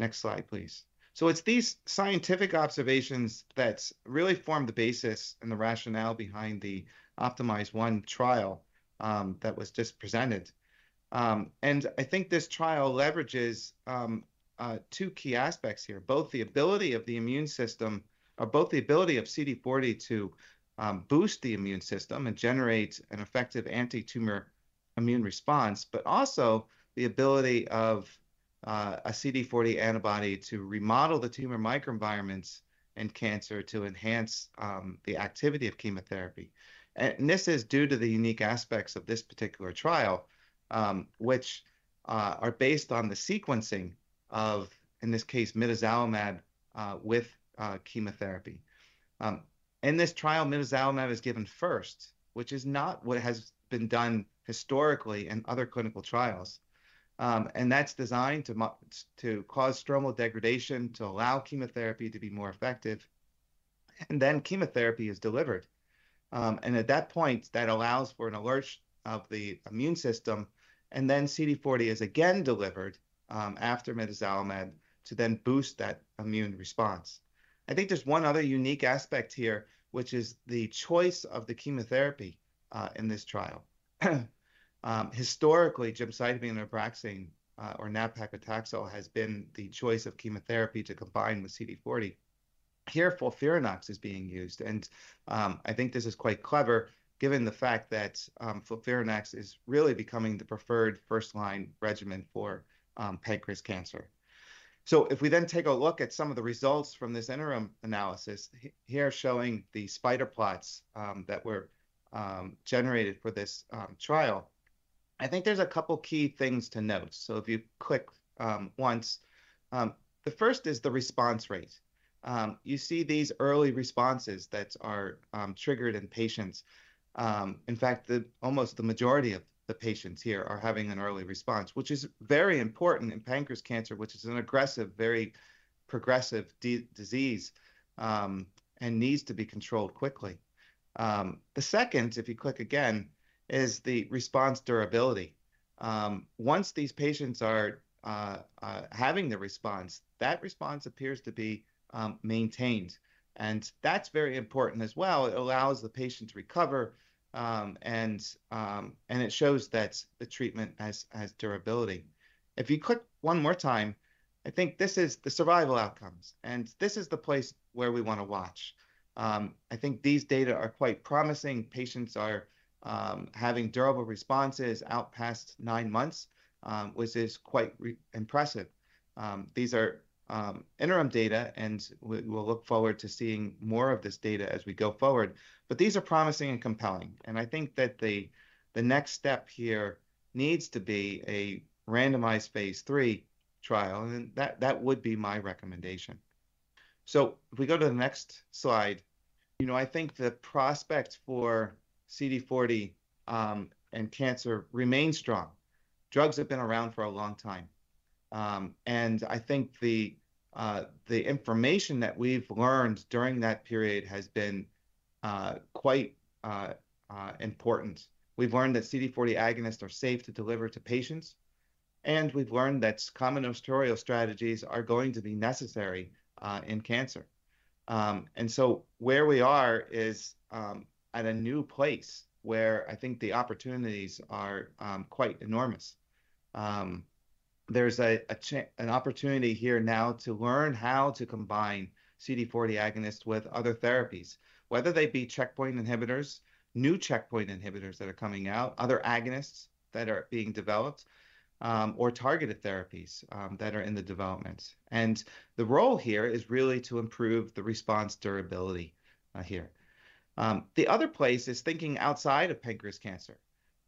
Next slide, please. It's these scientific observations that's really formed the basis and the rationale behind the OPTIMIZE-1 trial that was just presented. I think this trial leverages two key aspects here: both the ability of the immune system... or both the ability of CD40 to boost the immune system and generate an effective anti-tumor immune response, but also the ability of a CD40 antibody to remodel the tumor microenvironments in cancer to enhance the activity of chemotherapy. This is due to the unique aspects of this particular trial, which are based on the sequencing of, in this case, mitazalimab with chemotherapy. In this trial, mitazalimab is given first, which is not what has been done historically in other clinical trials. And that's designed to cause stromal degradation, to allow chemotherapy to be more effective, and then chemotherapy is delivered. And at that point, that allows for an alert of the immune system, and then CD40 is again delivered after mitazalimab, to then boost that immune response. I think there's one other unique aspect here, which is the choice of the chemotherapy in this trial. Historically, gemcitabine and nab-paclitaxel has been the choice of chemotherapy to combine with CD40. Here, FOLFIRINOX is being used, and I think this is quite clever, given the fact that FOLFIRINOX is really becoming the preferred first-line regimen for pancreas cancer. So if we then take a look at some of the results from this interim analysis, here showing the spider plots that were generated for this trial, I think there's a couple key things to note. So if you click once, the first is the response rate. You see these early responses that are triggered in patients. In fact, almost the majority of the patients here are having an early response, which is very important in pancreas cancer, which is an aggressive, very progressive disease, and needs to be controlled quickly. The second, if you click again, is the response durability. Once these patients are having the response, that response appears to be maintained, and that's very important as well. It allows the patient to recover, and it shows that the treatment has durability. If you click one more time, I think this is the survival outcomes, and this is the place where we want to watch. I think these data are quite promising. Patients are having durable responses out past nine months, which is quite impressive. These are interim data, and we'll look forward to seeing more of this data as we go forward. But these are promising and compelling, and I think that the next step here needs to be a randomized phase III trial, and that would be my recommendation. So if we go to the next slide, you know, I think the prospects for CD40 and cancer remain strong. Drugs have been around for a long time, and I think the information that we've learned during that period has been quite important. We've learned that CD40 agonists are safe to deliver to patients, and we've learned that common combination strategies are going to be necessary in cancer. And so where we are is at a new place where I think the opportunities are quite enormous. There's an opportunity here now to learn how to combine CD40 agonists with other therapies, whether they be checkpoint inhibitors, new checkpoint inhibitors that are coming out, other agonists that are being developed, or targeted therapies that are in the development. And the role here is really to improve the response durability here. The other place is thinking outside of pancreas cancer,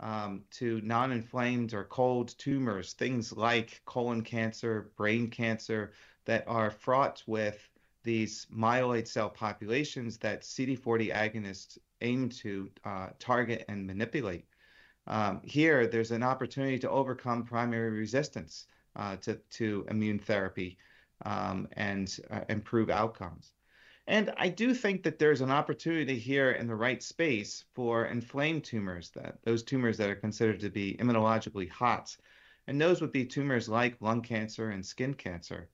to non-inflamed or cold tumors, things like colon cancer, brain cancer, that are fraught with these myeloid cell populations that CD40 agonists aim to target and manipulate. Here, there's an opportunity to overcome primary resistance to immune therapy and improve outcomes. And I do think that there's an opportunity here in the right space for inflamed tumors, that those tumors that are considered to be immunologically hot, and those would be tumors like lung cancer and skin cancer.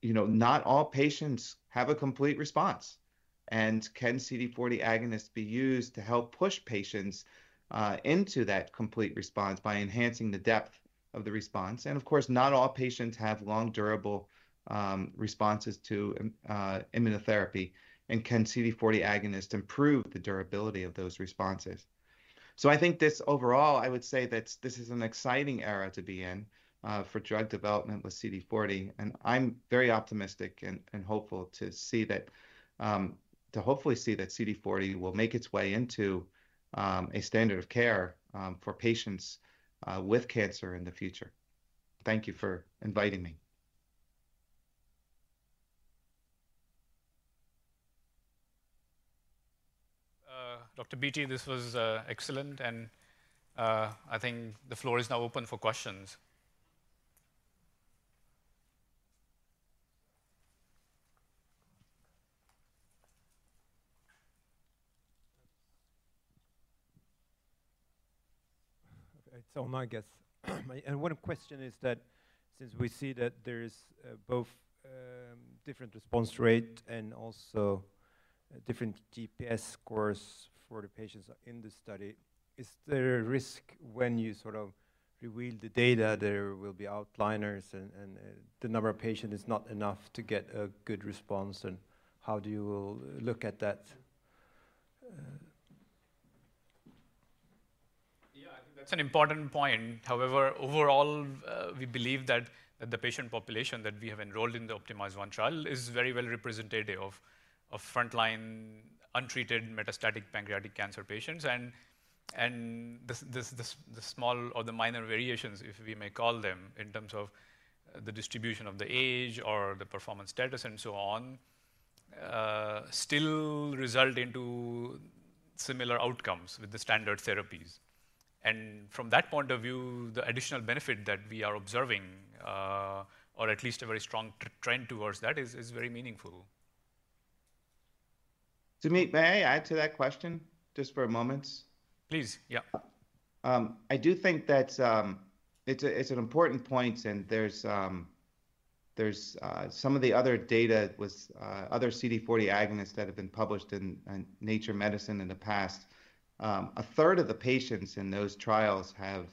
You know, not all patients have a complete response, and can CD40 agonists be used to help push patients into that complete response by enhancing the depth of the response? Of course, not all patients have long, durable, responses to immunotherapy, and can CD40 agonists improve the durability of those responses? So I think this, overall, I would say that this is an exciting era to be in, for drug development with CD40, and I'm very optimistic and, and hopeful to see that, to hopefully see that CD40 will make its way into, a standard of care, for patients, with cancer in the future. Thank you for inviting me. Dr. Beatty, this was excellent, and I think the floor is now open for questions. It's all my guess. And one question is that since we see that there is both different response rate and also different GPS scores for the patients in this study, is there a risk when you sort of reveal the data, there will be outliers and the number of patient is not enough to get a good response? And how do you look at that? Yeah, I think that's an important point. However, overall, we believe that the patient population that we have enrolled in the OPTIMIZE-1 trial is very well representative of frontline untreated metastatic pancreatic cancer patients. And the small or the minor variations, if we may call them, in terms of the distribution of the age or the performance status and so on, still result into similar outcomes with the standard therapies. And from that point of view, the additional benefit that we are observing, or at least a very strong trend towards that is very meaningful. Sumeet, may I add to that question, just for a moment? Please, yeah. I do think that, it's an important point, and there's some of the other data with other CD40 agonists that have been published in Nature Medicine in the past. A third of the patients in those trials have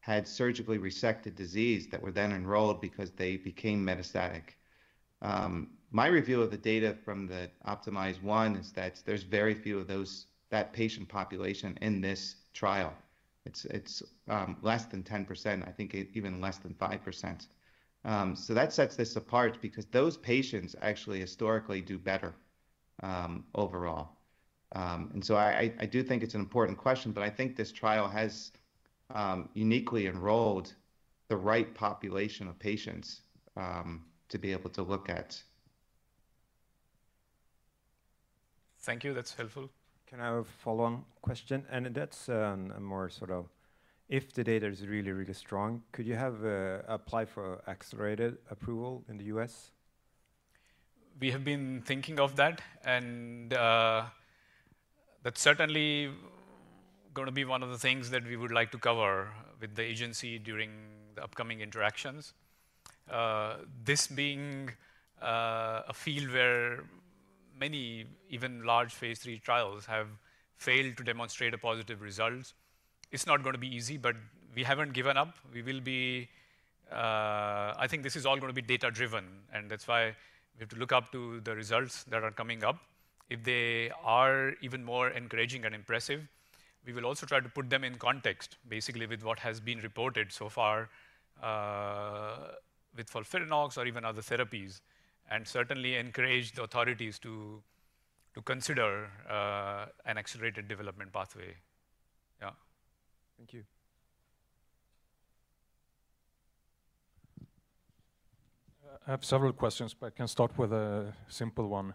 had surgically resected disease that were then enrolled because they became metastatic. My review of the data from the OPTIMIZE-1 is that there's very few of those, that patient population in this trial. It's less than 10%, I think even less than 5%. So that sets this apart because those patients actually historically do better overall, and so I do think it's an important question, but I think this trial has uniquely enrolled the right population of patients to be able to look at. Thank you. That's helpful. Can I have a follow-on question? And that's, more sort of if the data is really, really strong, could you have applied for accelerated approval in the US? We have been thinking of that, and that's certainly going to be one of the things that we would like to cover with the agency during the upcoming interactions. This being a field where many, even large phase III trials have failed to demonstrate a positive result, it's not going to be easy, but we haven't given up. We will be—I think this is all going to be data driven, and that's why we have to look up to the results that are coming up. If they are even more encouraging and impressive, we will also try to put them in context, basically with what has been reported so far with FOLFIRINOX or even other therapies, and certainly encourage the authorities to consider an accelerated development pathway. Yeah. Thank you. I have several questions, but I can start with a simple one.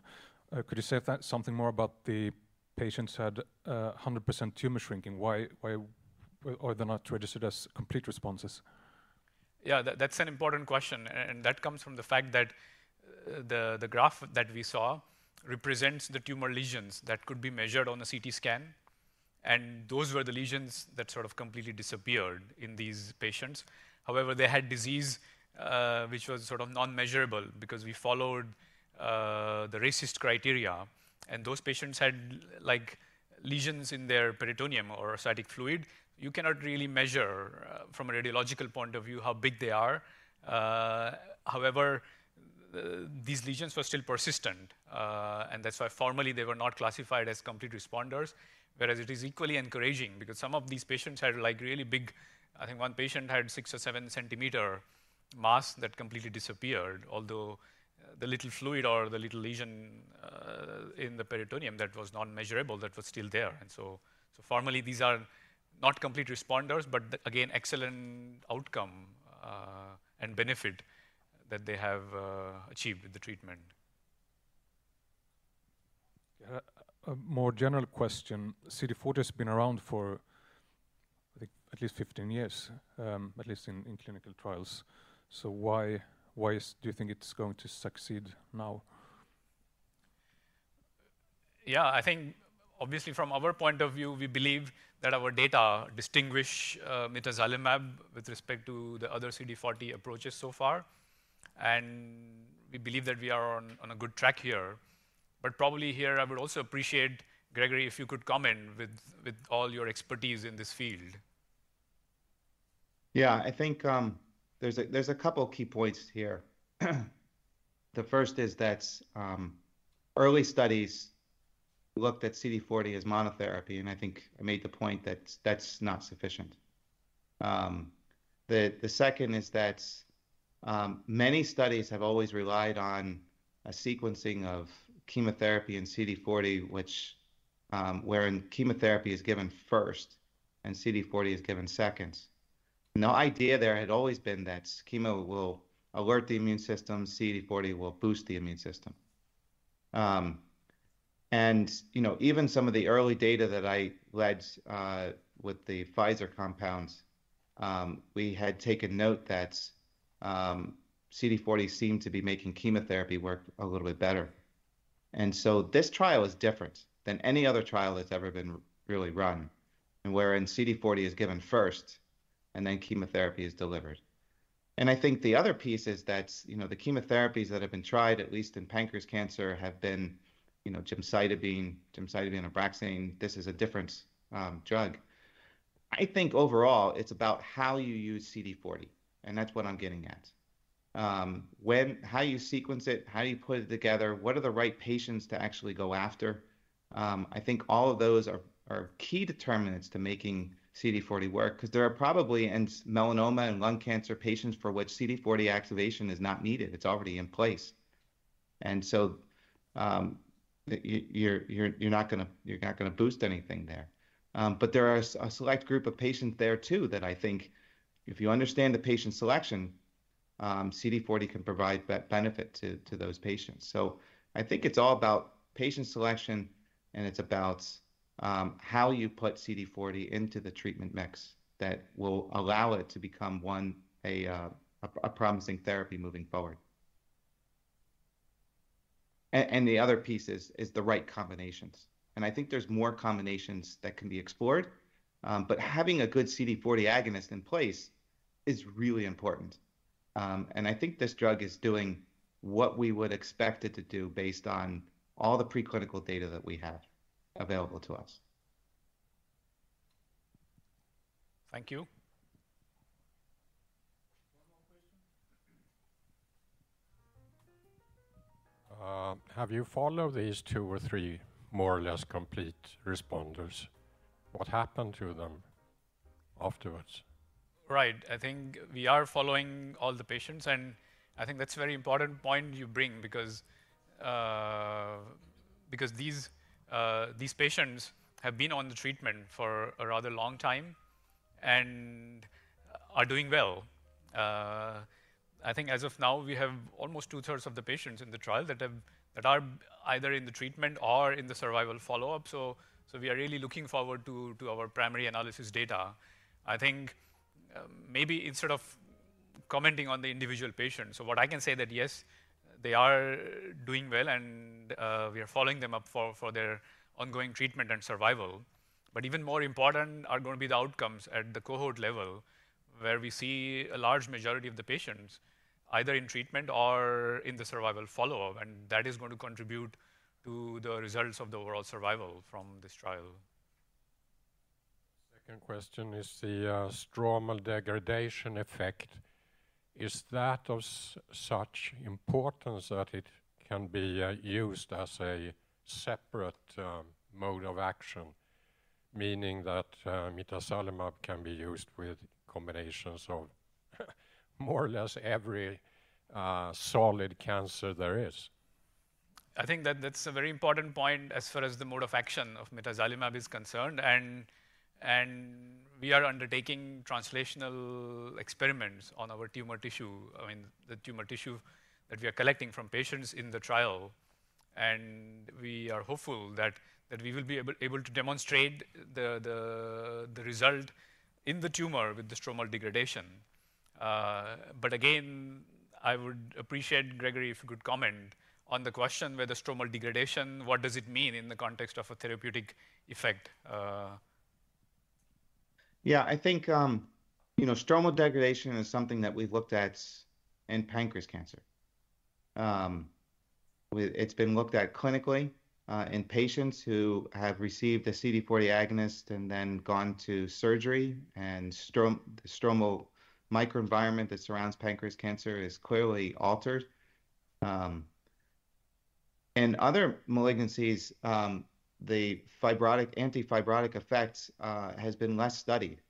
Could you say something more about the patients who had 100% tumor shrinking? Why, why, why are they not registered as complete responses? Yeah, that's an important question, and that comes from the fact that the graph that we saw represents the tumor lesions that could be measured on a CT scan, and those were the lesions that sort of completely disappeared in these patients. However, they had disease, which was sort of non-measurable because we followed the RECIST criteria, and those patients had, like, lesions in their peritoneum or ascitic fluid. You cannot really measure from a radiological point of view, how big they are. However, these lesions were still persistent, and that's why formally they were not classified as complete responders. Whereas it is equally encouraging because some of these patients had, like, really big... I think one patient had 6-7-centimeter mass that completely disappeared, although the little fluid or the little lesion in the peritoneum that was non-measurable, that was still there. So formally, these are not complete responders, but again, excellent outcome and benefit that they have achieved with the treatment. A more general question. CD40 has been around for, I think, at least 15 years, at least in clinical trials. So why, why do you think it's going to succeed now? Yeah, I think obviously from our point of view, we believe that our data distinguish mitazalimab with respect to the other CD40 approaches so far, and we believe that we are on a good track here. But probably here, I would also appreciate, Gregory, if you could comment with all your expertise in this field. Yeah, I think, there's a, there's a couple of key points here. The first is that, early studies looked at CD40 as monotherapy, and I think I made the point that that's not sufficient. The second is that, many studies have always relied on a sequencing of chemotherapy and CD40, which... wherein chemotherapy is given first and CD40 is given second. The idea there had always been that chemo will alert the immune system, CD40 will boost the immune system. And, you know, even some of the early data that I led, with the Pfizer compounds, we had taken note that, CD40 seemed to be making chemotherapy work a little bit better. And so this trial is different than any other trial that's ever been really run, and wherein CD40 is given first, and then chemotherapy is delivered. And I think the other piece is that, you know, the chemotherapies that have been tried, at least in pancreas cancer, have been, you know, gemcitabine, gemcitabine Abraxane. This is a different drug. I think overall, it's about how you use CD40, and that's what I'm getting at. When, how you sequence it, how do you put it together? What are the right patients to actually go after? I think all of those are key determinants to making CD40 work, 'cause there are probably, in melanoma and lung cancer patients, for which CD40 activation is not needed, it's already in place. And so, you're not gonna boost anything there. But there are a select group of patients there too, that I think if you understand the patient selection, CD40 can provide that benefit to those patients. So I think it's all about patient selection, and it's about how you put CD40 into the treatment mix that will allow it to become one, a promising therapy moving forward. And the other piece is the right combinations. And I think there's more combinations that can be explored, but having a good CD40 agonist in place is really important. And I think this drug is doing what we would expect it to do based on all the preclinical data that we have available to us. Thank you. One more question. Have you followed these two or three more or less complete responders? What happened to them afterwards? Right. I think we are following all the patients, and I think that's a very important point you bring because, because these, these patients have been on the treatment for a rather long time and are doing well. I think as of now, we have almost two-thirds of the patients in the trial that are either in the treatment or in the survival follow-up. So we are really looking forward to our primary analysis data. I think, maybe instead of commenting on the individual patients, so what I can say that, yes, they are doing well, and we are following them up for their ongoing treatment and survival. But even more important are going to be the outcomes at the cohort level, where we see a large majority of the patients either in treatment or in the survival follow-up, and that is going to contribute to the results of the overall survival from this trial. Second question is the stromal degradation effect. Is that of such importance that it can be used as a separate mode of action, meaning that mitazalimab can be used with combinations of more or less every solid cancer there is? I think that that's a very important point as far as the mode of action of mitazalimab is concerned, and we are undertaking translational experiments on our tumor tissue, I mean, the tumor tissue that we are collecting from patients in the trial. And we are hopeful that we will be able to demonstrate the result in the tumor with the stromal degradation. But again, I would appreciate, Gregory, if you could comment on the question whether stromal degradation, what does it mean in the context of a therapeutic effect. Yeah, I think, you know, stromal degradation is something that we've looked at in pancreas cancer. It's been looked at clinically in patients who have received a CD40 agonist and then gone to surgery, and stromal microenvironment that surrounds pancreas cancer is clearly altered. In other malignancies, the fibrotic, anti-fibrotic effects has been less studied.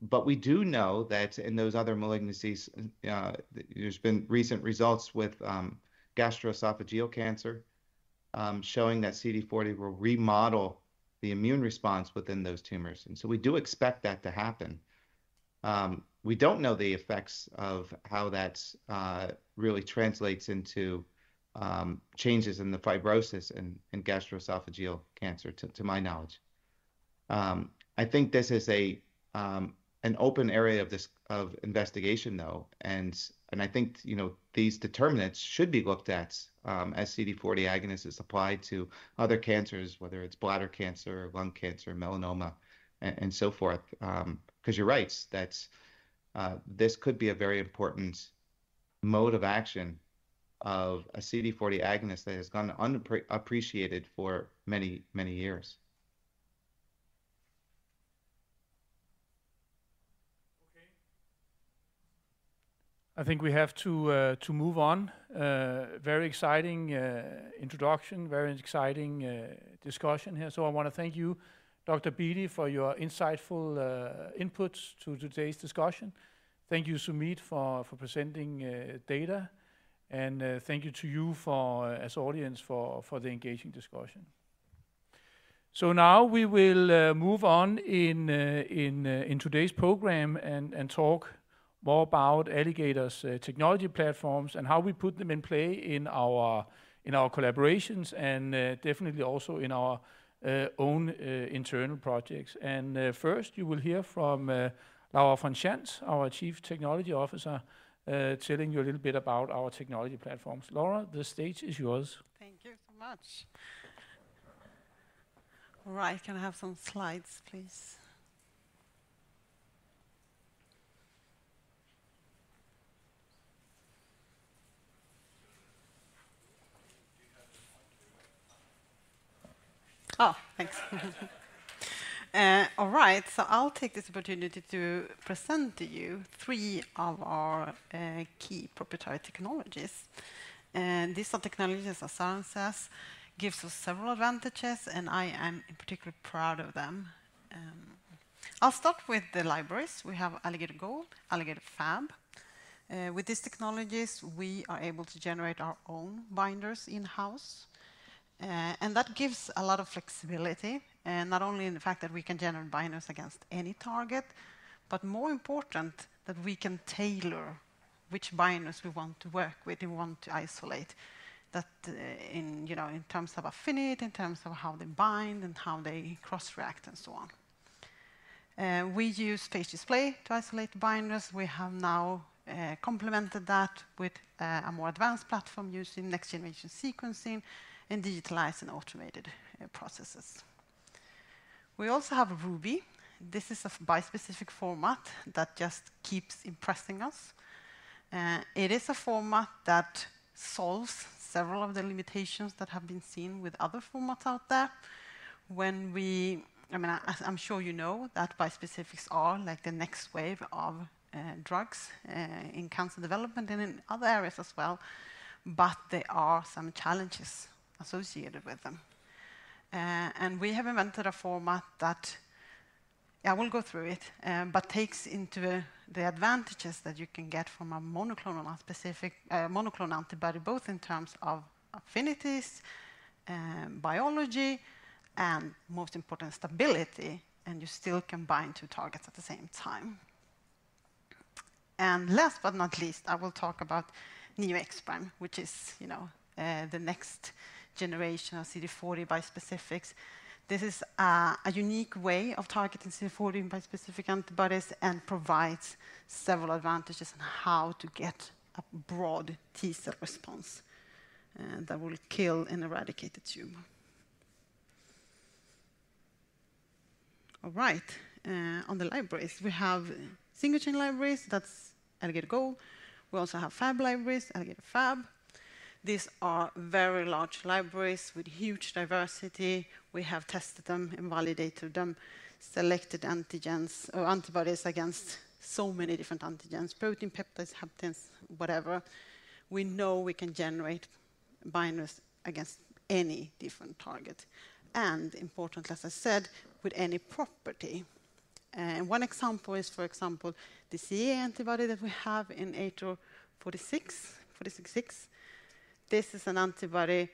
But we do know that in those other malignancies, there's been recent results with gastroesophageal cancer showing that CD40 will remodel the immune response within those tumors, and so we do expect that to happen. We don't know the effects of how that really translates into changes in the fibrosis in gastroesophageal cancer, to my knowledge. I think this is an open area of investigation, though, and I think, you know, these determinants should be looked at as CD40 agonists apply to other cancers, whether it's bladder cancer, lung cancer, melanoma, and so forth. 'Cause you're right, that this could be a very important mode of action of a CD40 agonist that has gone unappreciated for many, many years. Okay. I think we have to move on. Very exciting introduction, very exciting discussion here. So I want to thank you, Dr. Beatty, for your insightful inputs to today's discussion. Thank you, Sumeet, for presenting data, and thank you to you, as audience, for the engaging discussion. So now we will move on in today's program and talk more about Alligator's technology platforms and how we put them in play in our collaborations, and definitely also in our own internal projects. First, you will hear from Laura von Schantz, our Chief Technology Officer, telling you a little bit about our technology platforms. Laura, the stage is yours. Thank you so much. All right, can I have some slides, please? Oh, thanks. All right, so I'll take this opportunity to present to you three of our, key proprietary technologies. And these are technologies, as Søren says, gives us several advantages, and I am particularly proud of them. I'll start with the libraries. We have ALLIGATOR-GOLD, ALLIGATOR-FAB. With these technologies, we are able to generate our own binders in-house, and that gives a lot of flexibility, not only in the fact that we can generate binders against any target, but more important, that we can tailor which binders we want to work with and want to isolate. That, in, you know, in terms of affinity, in terms of how they bind and how they cross-react, and so on. We use phage display to isolate the binders. We have now complemented that with a more advanced platform using next-generation sequencing and digitized and automated processes. We also have RUBY. This is a bispecific format that just keeps impressing us. It is a format that solves several of the limitations that have been seen with other formats out there. I mean, as I'm sure you know, that bispecifics are like the next wave of drugs in cancer development and in other areas as well, but there are some challenges associated with them. And we have invented a format that I will go through it, but takes into the advantages that you can get from a monoclonal specific monoclonal antibody, both in terms of affinities and biology, and most important, stability, and you still can bind two targets at the same time. And last but not least, I will talk about Neo-X-Prime, which is, you know, the next generation of CD40 bispecifics. This is a unique way of targeting CD40 bispecific antibodies and provides several advantages on how to get a broad T cell response that will kill and eradicate the tumor. All right. On the libraries, we have single-chain libraries. That's ALLIGATOR-GOLD. We also have FAB libraries, Alligator-FAB. These are very large libraries with huge diversity. We have tested them and validated them, selected antigens or antibodies against so many different antigens, protein, peptides, haptens, whatever. We know we can generate binders against any different target, and importantly, as I said, with any property. And one example is, for example, the CEA antibody that we have in ATOR-4066. This is an antibody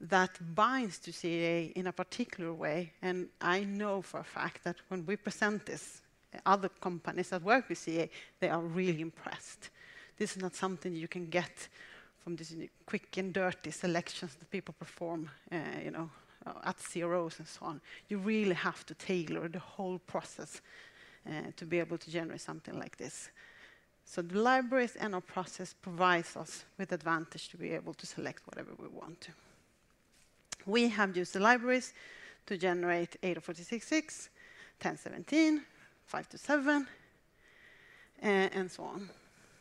that binds to CEA in a particular way, and I know for a fact that when we present this, other companies that work with CEA, they are really impressed. This is not something you can get from these quick and dirty selections that people perform, you know, at CROs and so on. You really have to tailor the whole process, to be able to generate something like this. So the libraries and our process provides us with advantage to be able to select whatever we want to. We have used the libraries to generate ATOR-4066, ATOR-1017, ALG.APV-527, and so on,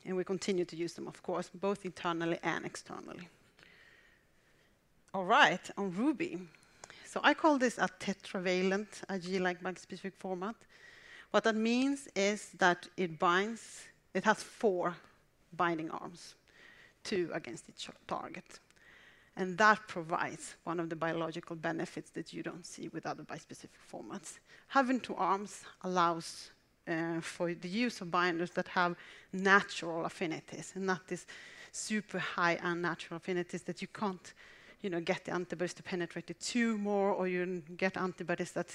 and we continue to use them, of course, both internally and externally. All right, on RUBY. So I call this a tetravalent IgG-like bispecific format. What that means is that it binds. It has four binding arms, two against each target, and that provides one of the biological benefits that you don't see with other bispecific formats. Having two arms allows for the use of binders that have natural affinities and not these super high unnatural affinities that you can't, you know, get the antibodies to penetrate the tumor, or you get antibodies that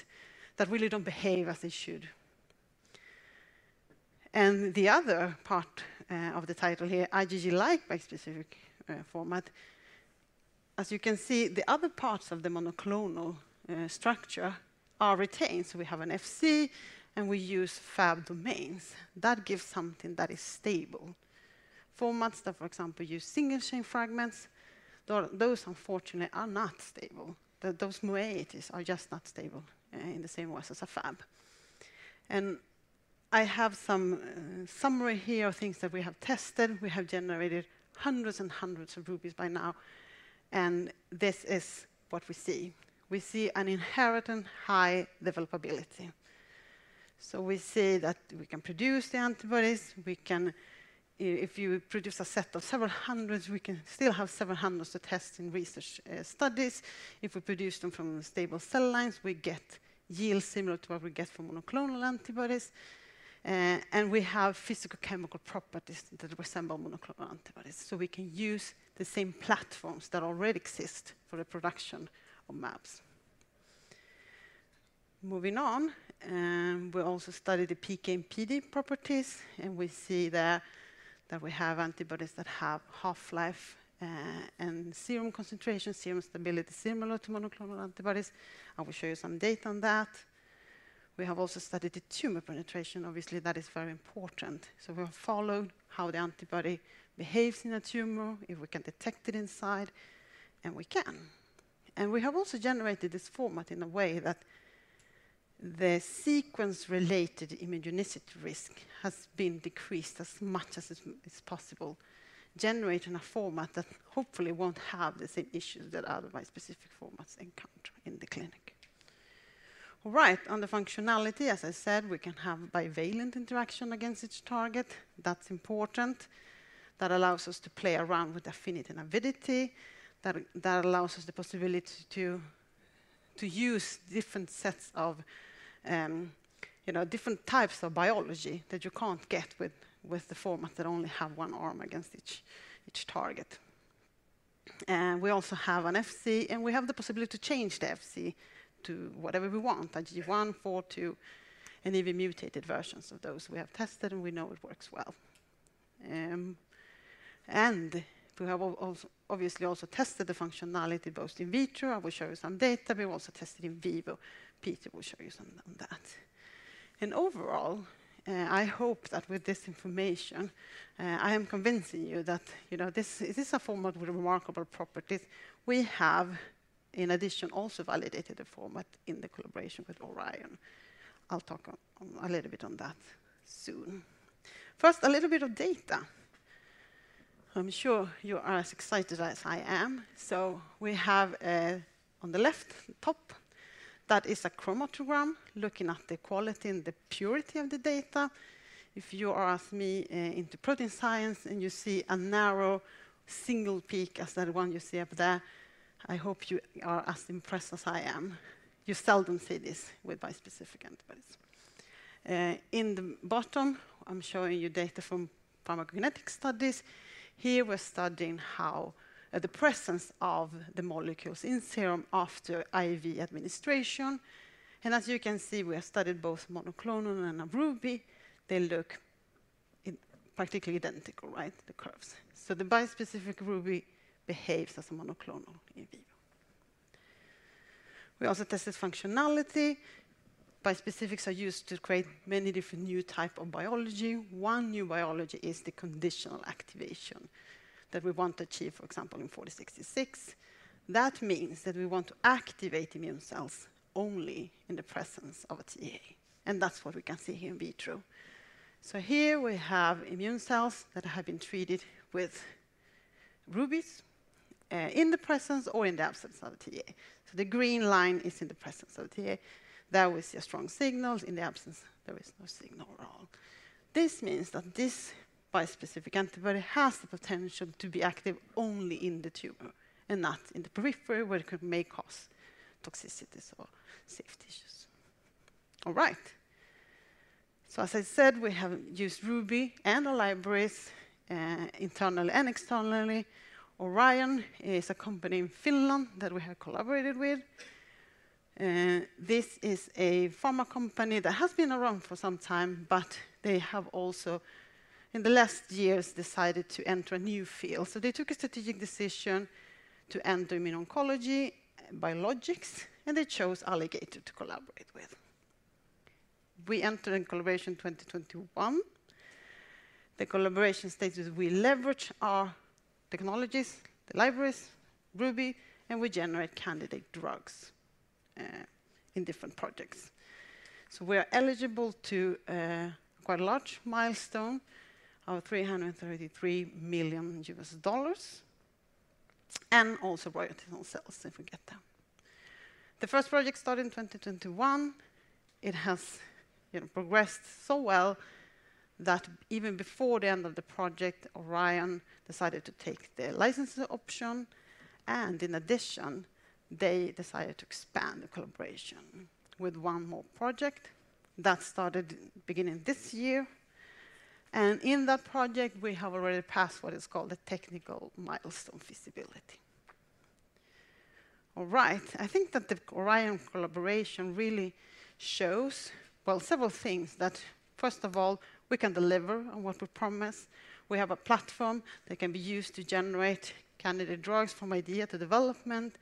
really don't behave as they should. And the other part of the title here, IgG-like bispecific format. As you can see, the other parts of the monoclonal structure are retained. So we have an Fc, and we use FAB domains. That gives something that is stable. Formats that, for example, use single-chain fragments, though those unfortunately are not stable. Those moieties are just not stable in the same way as a FAB. I have some summary here of things that we have tested. We have generated hundreds and hundreds of RUBYs by now, and this is what we see. We see an inherent and high developability. So we see that we can produce the antibodies. We can... if you produce a set of several hundreds, we can still have several hundreds to test in research studies. If we produce them from stable cell lines, we get yields similar to what we get from monoclonal antibodies, and we have physicochemical properties that resemble monoclonal antibodies, so we can use the same platforms that already exist for the production of mAbs. Moving on, we also study the PK/PD properties, and we see there that we have antibodies that have half-life, and serum concentration, serum stability, similar to monoclonal antibodies. I will show you some data on that. We have also studied the tumor penetration. Obviously, that is very important, so we will follow how the antibody behaves in a tumor, if we can detect it inside, and we can. And we have also generated this format in a way that the sequence-related immunogenicity risk has been decreased as much as is possible, generating a format that hopefully won't have the same issues that other bispecific formats encounter in the clinic. All right, on the functionality, as I said, we can have bivalent interaction against each target. That's important. That allows us to play around with affinity and avidity. That allows us the possibility to use different sets of, you know, different types of biology that you can't get with the format that only have one arm against each target. We also have an Fc, and we have the possibility to change the Fc to whatever we want, IgG1, IgG4, IgG2, and even mutated versions of those. We have tested, and we know it works well. And we have also, obviously also tested the functionality, both in vitro. I will show you some data. We've also tested in vivo. Peter will show you some on that. And overall, I hope that with this information, I am convincing you that, you know, this, this is a format with remarkable properties. We have, in addition, also validated the format in the collaboration with Orion. I'll talk on, a little bit on that soon. First, a little bit of data. I'm sure you are as excited as I am. So we have, on the left top, that is a chromatogram looking at the quality and the purity of the data. If you are, as me, into protein science, and you see a narrow single peak as that one you see up there, I hope you are as impressed as I am. You seldom see this with bispecific antibodies. In the bottom, I'm showing you data from pharmacokinetic studies. Here, we're studying how the presence of the molecules in serum after IV administration, and as you can see, we have studied both monoclonal and RUBY. They look practically identical, right? The curves. So the bispecific RUBY behaves as a monoclonal in vivo. We also tested functionality. Bispecifics are used to create many different new type of biology. One new biology is the conditional activation that we want to achieve, for example, in ATOR-4066. That means that we want to activate immune cells only in the presence of a TA, and that's what we can see here in vitro. So here we have immune cells that have been treated with RUBY, in the presence or in the absence of TA. So the green line is in the presence of TA. There we see a strong signal, in the absence, there is no signal at all. This means that this bispecific antibody has the potential to be active only in the tumor and not in the periphery, where it could may cause toxicities or safety issues. All right. So, as I said, we have used RUBY and the libraries, internally and externally. Orion is a company in Finland that we have collaborated with. This is a pharma company that has been around for some time, but they have also, in the last years, decided to enter a new field. They took a strategic decision to enter immuno-oncology biologics, and they chose Alligator to collaborate with. We entered in collaboration 2021. The collaboration states that we leverage our technologies, the libraries, RUBY, and we generate candidate drugs in different projects. We are eligible to quite a large milestone of $333 million, and also royalties on sales, if we get that. The first project started in 2021. It has, you know, progressed so well that even before the end of the project, Orion decided to take the licensing option, and in addition, they decided to expand the collaboration with one more project that started beginning this year. In that project, we have already passed what is called the technical milestone feasibility. All right. I think that the Orion collaboration really shows, well, several things, that first of all, we can deliver on what we promise. We have a platform that can be used to generate candidate drugs from idea to development,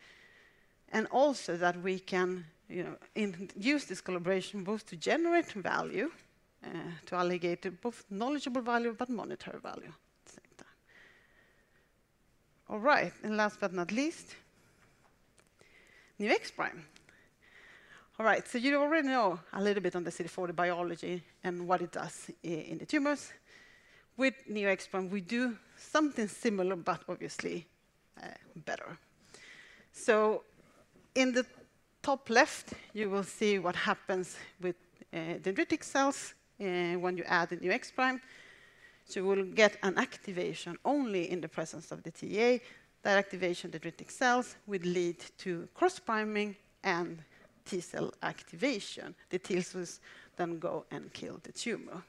and also that we can, you know, use this collaboration both to generate value to Alligator, both knowledgeable value, but monetary value at the same time. All right, last but not least, Neo-X-Prime. All right, so you already know a little bit on the CD40 biology and what it does in the tumors. With Neo-X-Prime, we do something similar, but obviously, better. So in the top left, you will see what happens with dendritic cells when you add the Neo-X-Prime. So you will get an activation only in the presence of the TA. That activation, dendritic cells, would lead to cross-priming and T cell activation. The T cells then go and kill the tumor.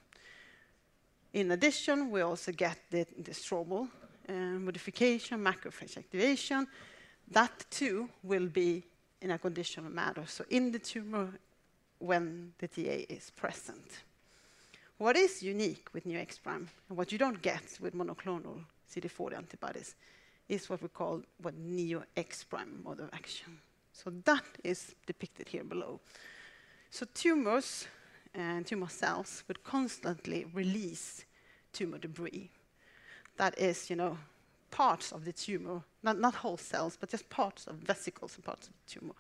In addition, we also get the, the stromal modification, macrophage activation. That, too, will be in a conditional manner, so in the tumor, when the TA is present. What is unique with Neo-X-Prime, and what you don't get with monoclonal CD40 antibodies, is what we call the Neo-X-Prime mode of action. So that is depicted here below. So tumors and tumor cells would constantly release tumor debris. That is, you know, parts of the tumor, not, not whole cells, but just parts of vesicles and parts of the tumor.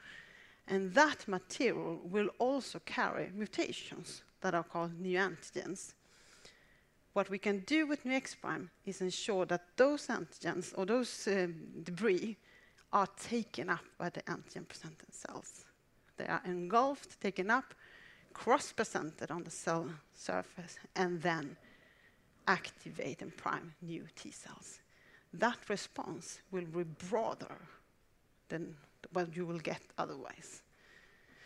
And that material will also carry mutations that are called neoantigens. What we can do with Neo-X-Prime is ensure that those antigens or those debris are taken up by the antigen-presenting cells. They are engulfed, taken up, cross-presented on the cell surface, and then activate and prime new T cells. That response will be broader than what you will get otherwise.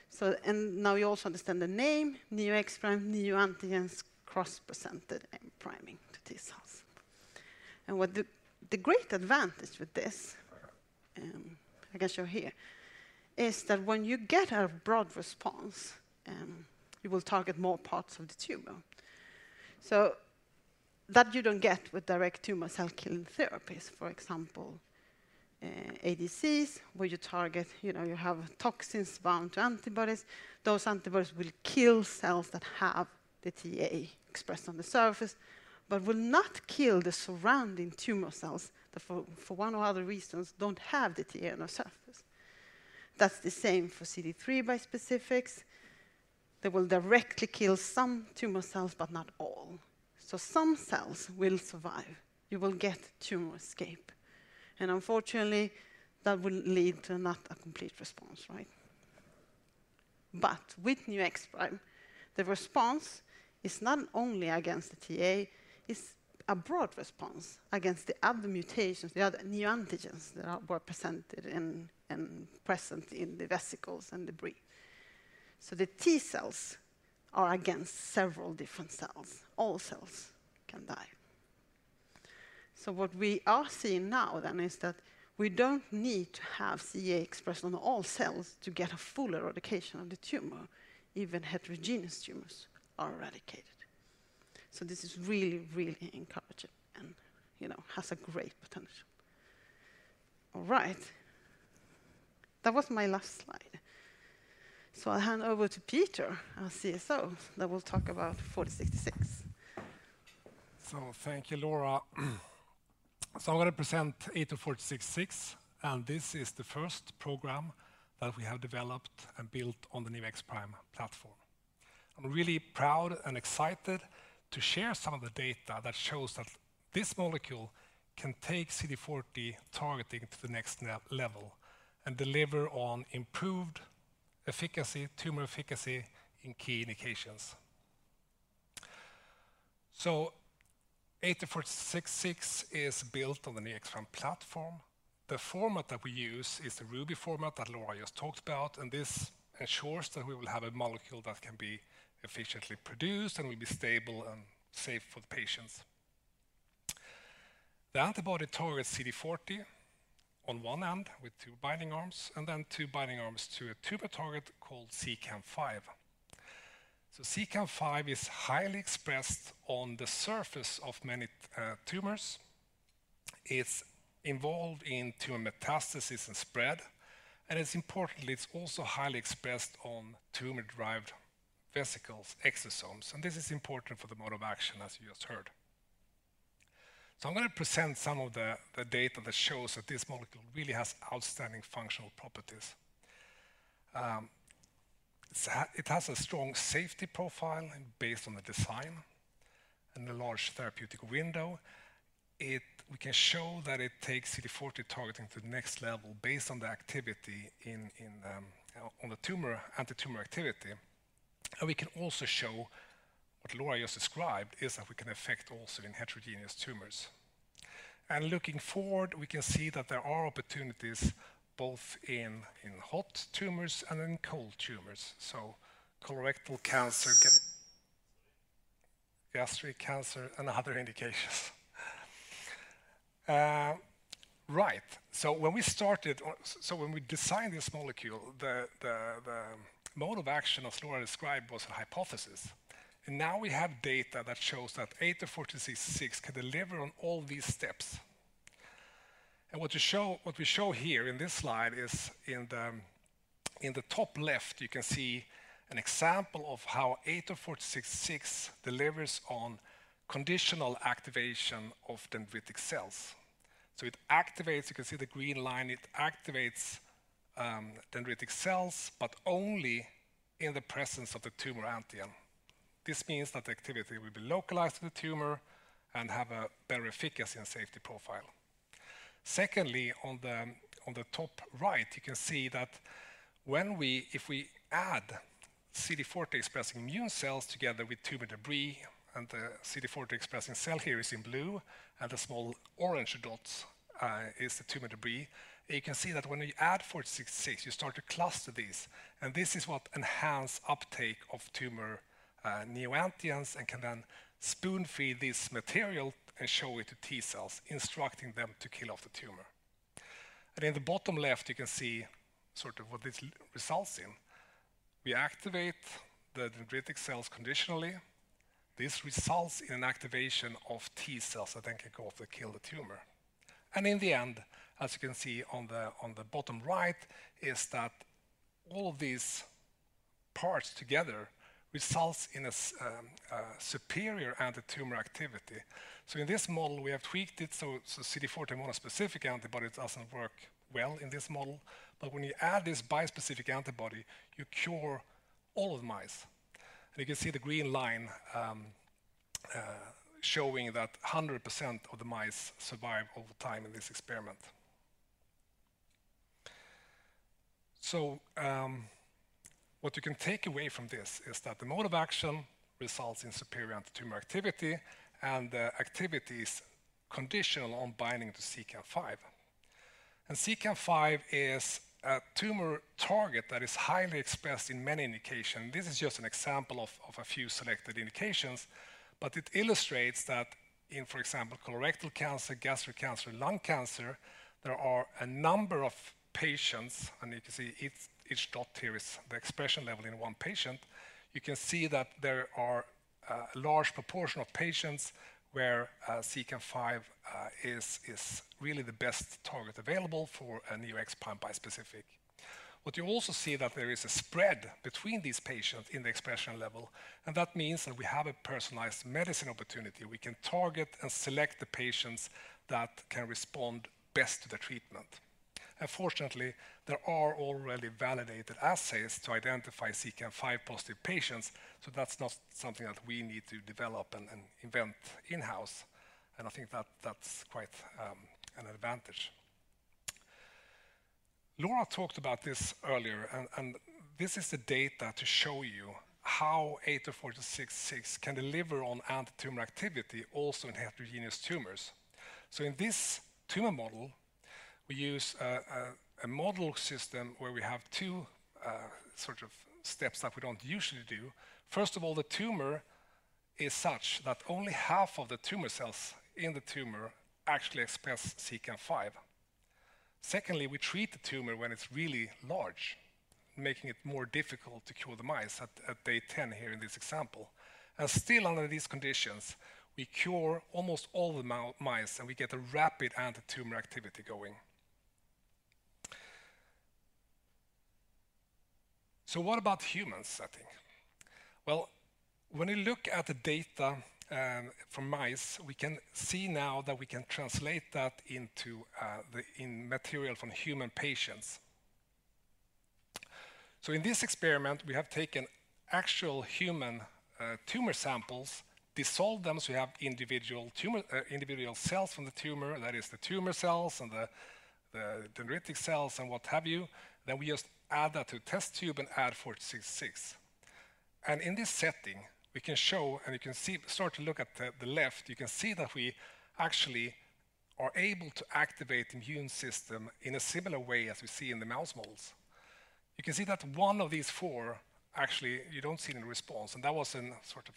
So, and now you also understand the name, Neo-X-Prime, neoantigens cross-presented and priming the T cells. And what the great advantage with this, I can show here, is that when you get a broad response, you will target more parts of the tumor. So that you don't get with direct tumor cell killing therapies, for example, ADCs, where you target, you know, you have toxins bound to antibodies. Those antibodies will kill cells that have the TA expressed on the surface, but will not kill the surrounding tumor cells that for one or other reasons don't have the TA on the surface. That's the same for CD3 bispecifics. They will directly kill some tumor cells, but not all. So some cells will survive. You will get tumor escape, and unfortunately, that will lead to not a complete response, right? But with Neo-X-Prime, the response is not only against the TA; it's a broad response against the other mutations, the other new antigens that were present in the vesicles and debris. So the T cells are against several different cells. All cells can die. So what we are seeing now then is that we don't need to have CEA expressed on all cells to get a full eradication of the tumor. Even heterogeneous tumors are eradicated. So this is really, really encouraging and, you know, has a great potential. All right. That was my last slide. So I'll hand over to Peter, our CSO, that will talk about ATOR-4066. Thank you, Laura. I'm gonna present ATOR-4066, and this is the first program that we have developed and built on the Neo-X-Prime platform. I'm really proud and excited to share some of the data that shows that this molecule can take CD40 targeting to the next level, and deliver on improved efficacy, tumor efficacy in key indications. ATOR-4066 is built on the Neo-X-Prime platform. The format that we use is the Ruby format that Laura just talked about, and this ensures that we will have a molecule that can be efficiently produced and will be stable and safe for the patients. The antibody targets CD40 on one end with two binding arms, and then two binding arms to a tumor target called CEACAM5. CEACAM5 is highly expressed on the surface of many tumors. It's involved in tumor metastasis and spread, and it's importantly, it's also highly expressed on tumor-derived vesicles, exosomes, and this is important for the mode of action, as you just heard. So I'm gonna present some of the data that shows that this molecule really has outstanding functional properties. So it has a strong safety profile and based on the design and the large therapeutic window, it—we can show that it takes CD40 targeting to the next level based on the activity in on the tumor, anti-tumor activity. And we can also show what Laura just described, is that we can affect also in heterogeneous tumors. And looking forward, we can see that there are opportunities both in hot tumors and in cold tumors. So colorectal cancer, gastric cancer, and other indications. Right. So when we designed this molecule, the mode of action as Laura described was a hypothesis. And now we have data that shows that ATOR-4066 can deliver on all these steps. And what we show here in this slide is in the top left, you can see an example of how ATOR-4066 delivers on conditional activation of dendritic cells. So it activates, you can see the green line, it activates dendritic cells, but only in the presence of the tumor antigen. This means that the activity will be localized to the tumor and have a better efficacy and safety profile. Secondly, on the top right, you can see that when we add CD40 expressing immune cells together with tumor debris, and the CD40 expressing cell here is in blue, and the small orange dots is the tumor debris. You can see that when you add ATOR-4066, you start to cluster these, and this is what enhance uptake of tumor neoantigens, and can then spoon-feed this material and show it to T cells, instructing them to kill off the tumor. In the bottom left, you can see sort of what this results in. We activate the dendritic cells conditionally. This results in an activation of T cells that then can go off to kill the tumor. In the end, as you can see on the bottom right, is that all these parts together results in a superior anti-tumor activity. In this model, we have tweaked it, CD40 monospecific antibody doesn't work well in this model. But when you add this bispecific antibody, you cure all of the mice. You can see the green line showing that 100% of the mice survive over time in this experiment. What you can take away from this is that the mode of action results in superior anti-tumor activity, and the activity is conditional on binding to CEACAM5. CEACAM5 is a tumor target that is highly expressed in many indication. This is just an example of a few selected indications, but it illustrates that in, for example, colorectal cancer, gastric cancer, lung cancer, there are a number of patients, and you can see each dot here is the expression level in one patient. You can see that there is a large proportion of patients where CEACAM5 is really the best target available for a Neo-X-Prime bispecific. What you also see that there is a spread between these patients in the expression level, and that means that we have a personalized medicine opportunity. We can target and select the patients that can respond best to the treatment. And fortunately, there are already validated assays to identify CEACAM5 positive patients, so that's not something that we need to develop and invent in-house, and I think that's quite an advantage. Laura talked about this earlier, and this is the data to show you how ATOR-4066 can deliver on antitumor activity also in heterogeneous tumors. So in this tumor model, we use a model system where we have two sort of steps that we don't usually do. First of all, the tumor is such that only half of the tumor cells in the tumor actually express CEACAM5. Secondly, we treat the tumor when it's really large, making it more difficult to cure the mice at day 10 here in this example. And still under these conditions, we cure almost all the mice, and we get a rapid antitumor activity going. So what about human setting? Well, when you look at the data from mice, we can see now that we can translate that into the material from human patients. So in this experiment, we have taken actual human tumor samples, dissolved them, so we have individual cells from the tumor, that is the tumor cells and the dendritic cells, and what have you. Then we just add that to a test tube and add 466. And in this setting, we can show, and you can see. Start to look at the left, you can see that we actually are able to activate the immune system in a similar way as we see in the mouse models. You can see that one of these four, actually, you don't see any response, and that was in sort of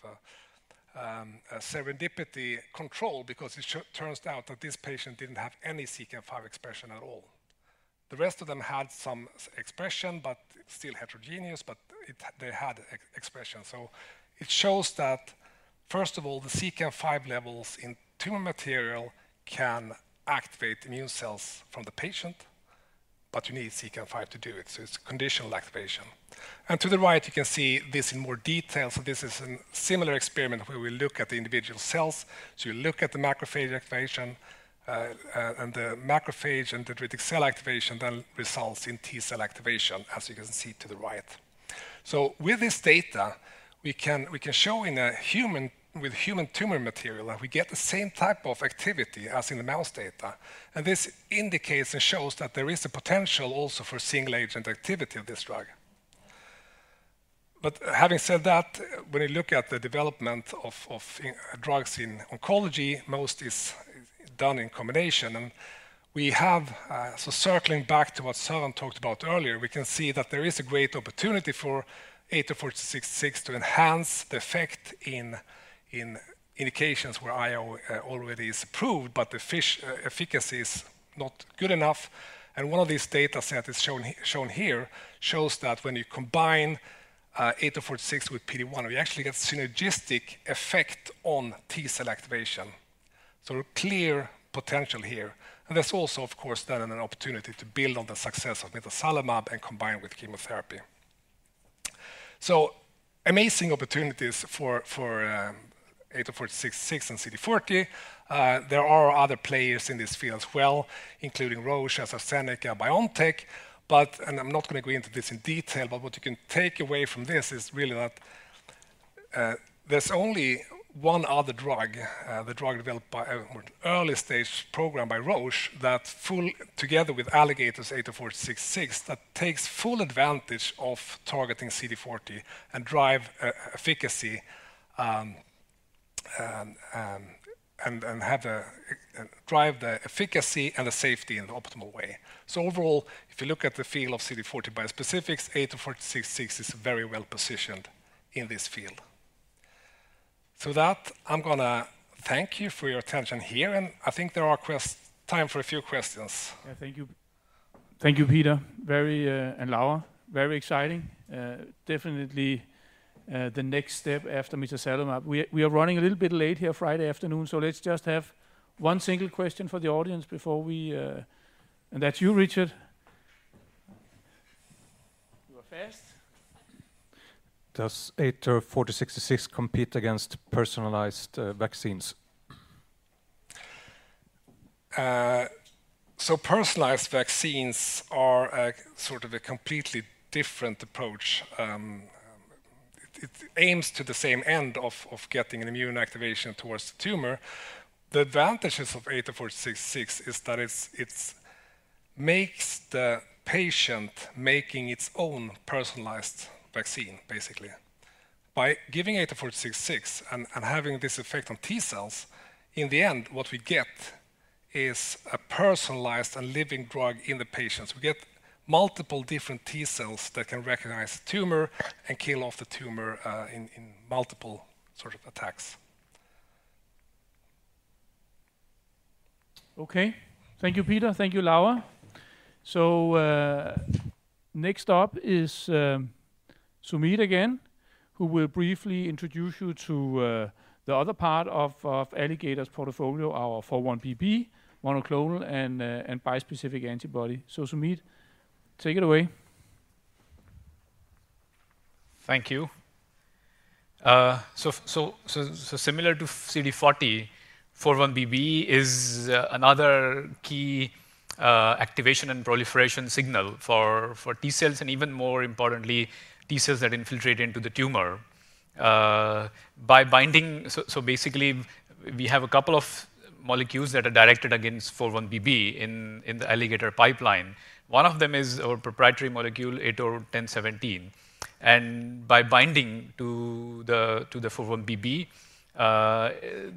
a serendipity control because it turns out that this patient didn't have any 5T4 expression at all. The rest of them had some expression, but still heterogeneous, but they had expression. So it shows that, first of all, the 5T4 levels in tumor material can activate immune cells from the patient, but you need 5T4 to do it, so it's conditional activation. And to the right, you can see this in more detail. So this is a similar experiment where we look at the individual cells. So you look at the macrophage activation, and the macrophage and dendritic cell activation, that results in T cell activation, as you can see to the right. So with this data, we can show in a human—with human tumor material, that we get the same type of activity as in the mouse data. This indicates and shows that there is a potential also for single agent activity of this drug. But having said that, when you look at the development of drugs in oncology, most is done in combination. We have so circling back to what Sumeet talked about earlier, we can see that there is a great opportunity for ATOR-4066 to enhance the effect in indications where IO already is approved, but the efficacy is not good enough. One of these data sets is shown here, shows that when you combine ATOR-4066 with PD-1, we actually get synergistic effect on T cell activation. So clear potential here. And there's also, of course, then an opportunity to build on the success of nivolumab and combine with chemotherapy. So amazing opportunities for ATOR-4066 and CD40. There are other players in this field as well, including Roche, AstraZeneca, BioNTech. But, and I'm not going to go into this in detail, but what you can take away from this is really that, there's only one other drug, the drug developed by an early stage program by Roche, that fits together with Alligator's ATOR-4066, that takes full advantage of targeting CD40 and drive efficacy, and, and have a, drive the efficacy and the safety in an optimal way. So overall, if you look at the field of CD40 bispecifics, ATOR-4066 is very well positioned in this field. To that, I'm gonna thank you for your attention here, and I think there is question time for a few questions. Yeah, thank you. Thank you, Peter. Very, and Laura, very exciting. Definitely, the next step after nivolumab. We are running a little bit late here Friday afternoon, so let's just have one single question for the audience before we, and that's you, Richard. You are fast. Does ATOR-4066 compete against personalized vaccines? So personalized vaccines are a sort of a completely different approach. It aims to the same end of getting an immune activation towards the tumor. The advantages of ATOR-4066 is that it's, it's makes the patient making its own personalized vaccine, basically. By giving ATOR-4066 and having this effect on T cells, in the end, what we get is a personalized and living drug in the patients. We get multiple different T cells that can recognize the tumor and kill off the tumor in multiple sort of attacks. Okay. Thank you, Peter. Thank you, Laura. Next up is Sumeet again, who will briefly introduce you to the other part of Alligator's portfolio, our 4-1BB monoclonal and bispecific antibody. Sumeet, take it away. Thank you. So similar to CD40, 4-1BB is another key activation and proliferation signal for T cells, and even more importantly, T cells that infiltrate into the tumor. By binding, so basically we have a couple of molecules that are directed against 4-1BB in the Alligator pipeline. One of them is our proprietary molecule, ATOR-1017. And by binding to the 4-1BB,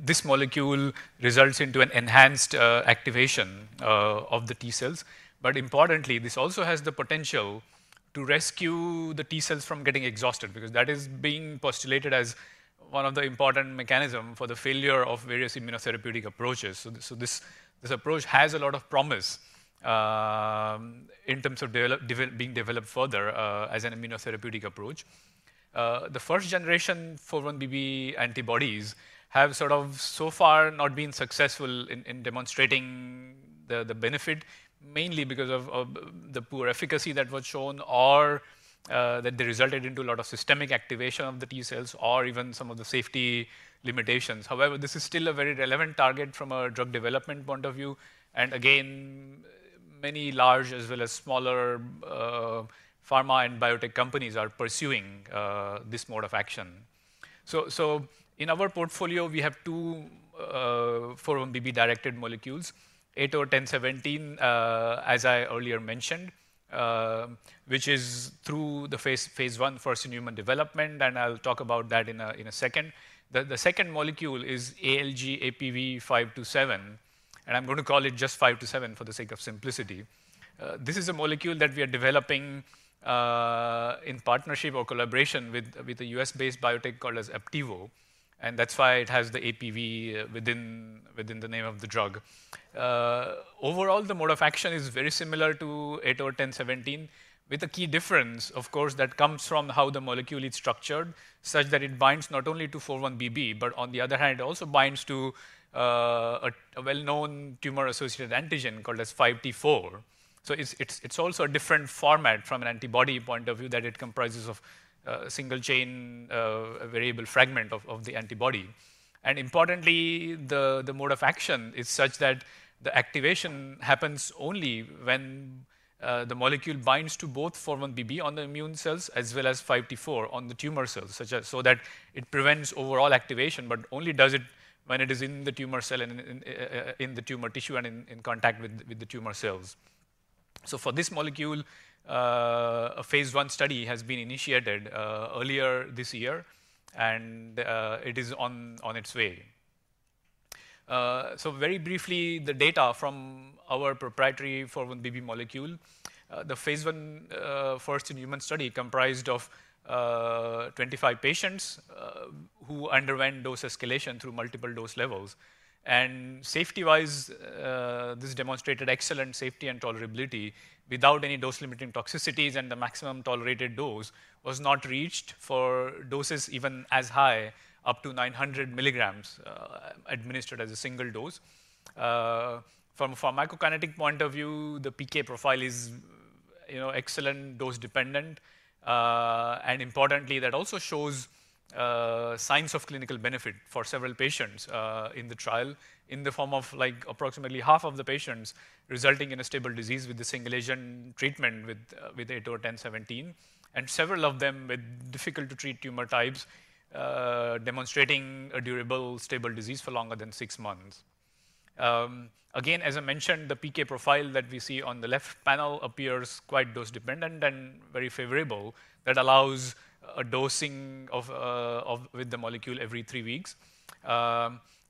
this molecule results into an enhanced activation of the T cells. But importantly, this also has the potential to rescue the T cells from getting exhausted, because that is being postulated as one of the important mechanism for the failure of various immunotherapeutic approaches. So this approach has a lot of promise in terms of being developed further as an immunotherapeutic approach. The first generation 4-1BB antibodies have sort of so far not been successful in demonstrating the benefit, mainly because of the poor efficacy that was shown or that they resulted into a lot of systemic activation of the T cells, or even some of the safety limitations. However, this is still a very relevant target from a drug development point of view. And again, many large as well as smaller pharma and biotech companies are pursuing this mode of action. So in our portfolio, we have two 4-1BB directed molecules, ATOR-1017, as I earlier mentioned, which is through the phase I first in human development, and I'll talk about that in a second. The second molecule is ALG.APV-527, and I'm going to call it just 527 for the sake of simplicity. This is a molecule that we are developing in partnership or collaboration with a US-based biotech called Aptevo, and that's why it has the APV within the name of the drug. Overall, the mode of action is very similar to ATOR-1017, with a key difference, of course, that comes from how the molecule is structured, such that it binds not only to 4-1BB, but on the other hand, it also binds to a well-known tumor-associated antigen called 5T4. So it's also a different format from an antibody point of view, that it comprises of a single chain, a variable fragment of the antibody. Importantly, the mode of action is such that the activation happens only when the molecule binds to both 4-1BB on the immune cells, as well as 5T4 on the tumor cells, such as so that it prevents overall activation, but only does it when it is in the tumor cell and in the tumor tissue and in contact with the tumor cells. For this molecule, a phase I study has been initiated earlier this year, and it is on its way. So very briefly, the data from our proprietary 4-1BB molecule, the phase I first in human study comprised of 25 patients who underwent dose escalation through multiple dose levels. Safety-wise, this demonstrated excellent safety and tolerability without any dose-limiting toxicities, and the maximum tolerated dose was not reached for doses even as high up to 900 milligrams, administered as a single dose. From a pharmacokinetic point of view, the PK profile is, you know, excellent, dose-dependent, and importantly, that also shows signs of clinical benefit for several patients in the trial, in the form of, like, approximately half of the patients resulting in a stable disease with the single-agent treatment with ATOR-1017, and several of them with difficult-to-treat tumor types, demonstrating a durable, stable disease for longer than six months. Again, as I mentioned, the PK profile that we see on the left panel appears quite dose dependent and very favorable. That allows a dosing of with the molecule every three weeks.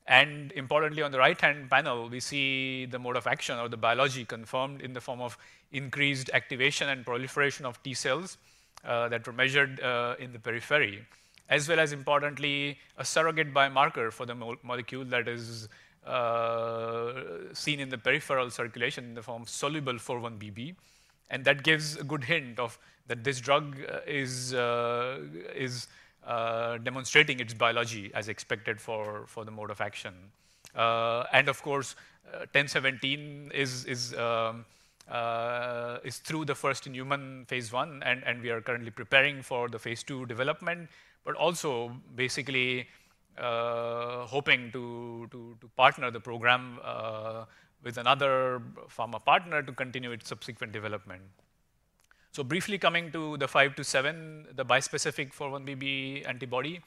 And importantly, on the right-hand panel, we see the mode of action or the biology confirmed in the form of increased activation and proliferation of T cells that were measured in the periphery, as well as importantly, a surrogate biomarker for the molecule that is seen in the peripheral circulation in the form of soluble 4-1BB. And that gives a good hint that this drug is demonstrating its biology as expected for the mode of action. And of course, ATOR-1017 is through the first-in-human phase I, and we are currently preparing for the phase II development, but also basically hoping to partner the program with another pharma partner to continue its subsequent development. So briefly coming to the ALG.APV-527, the bispecific 4-1BB antibody.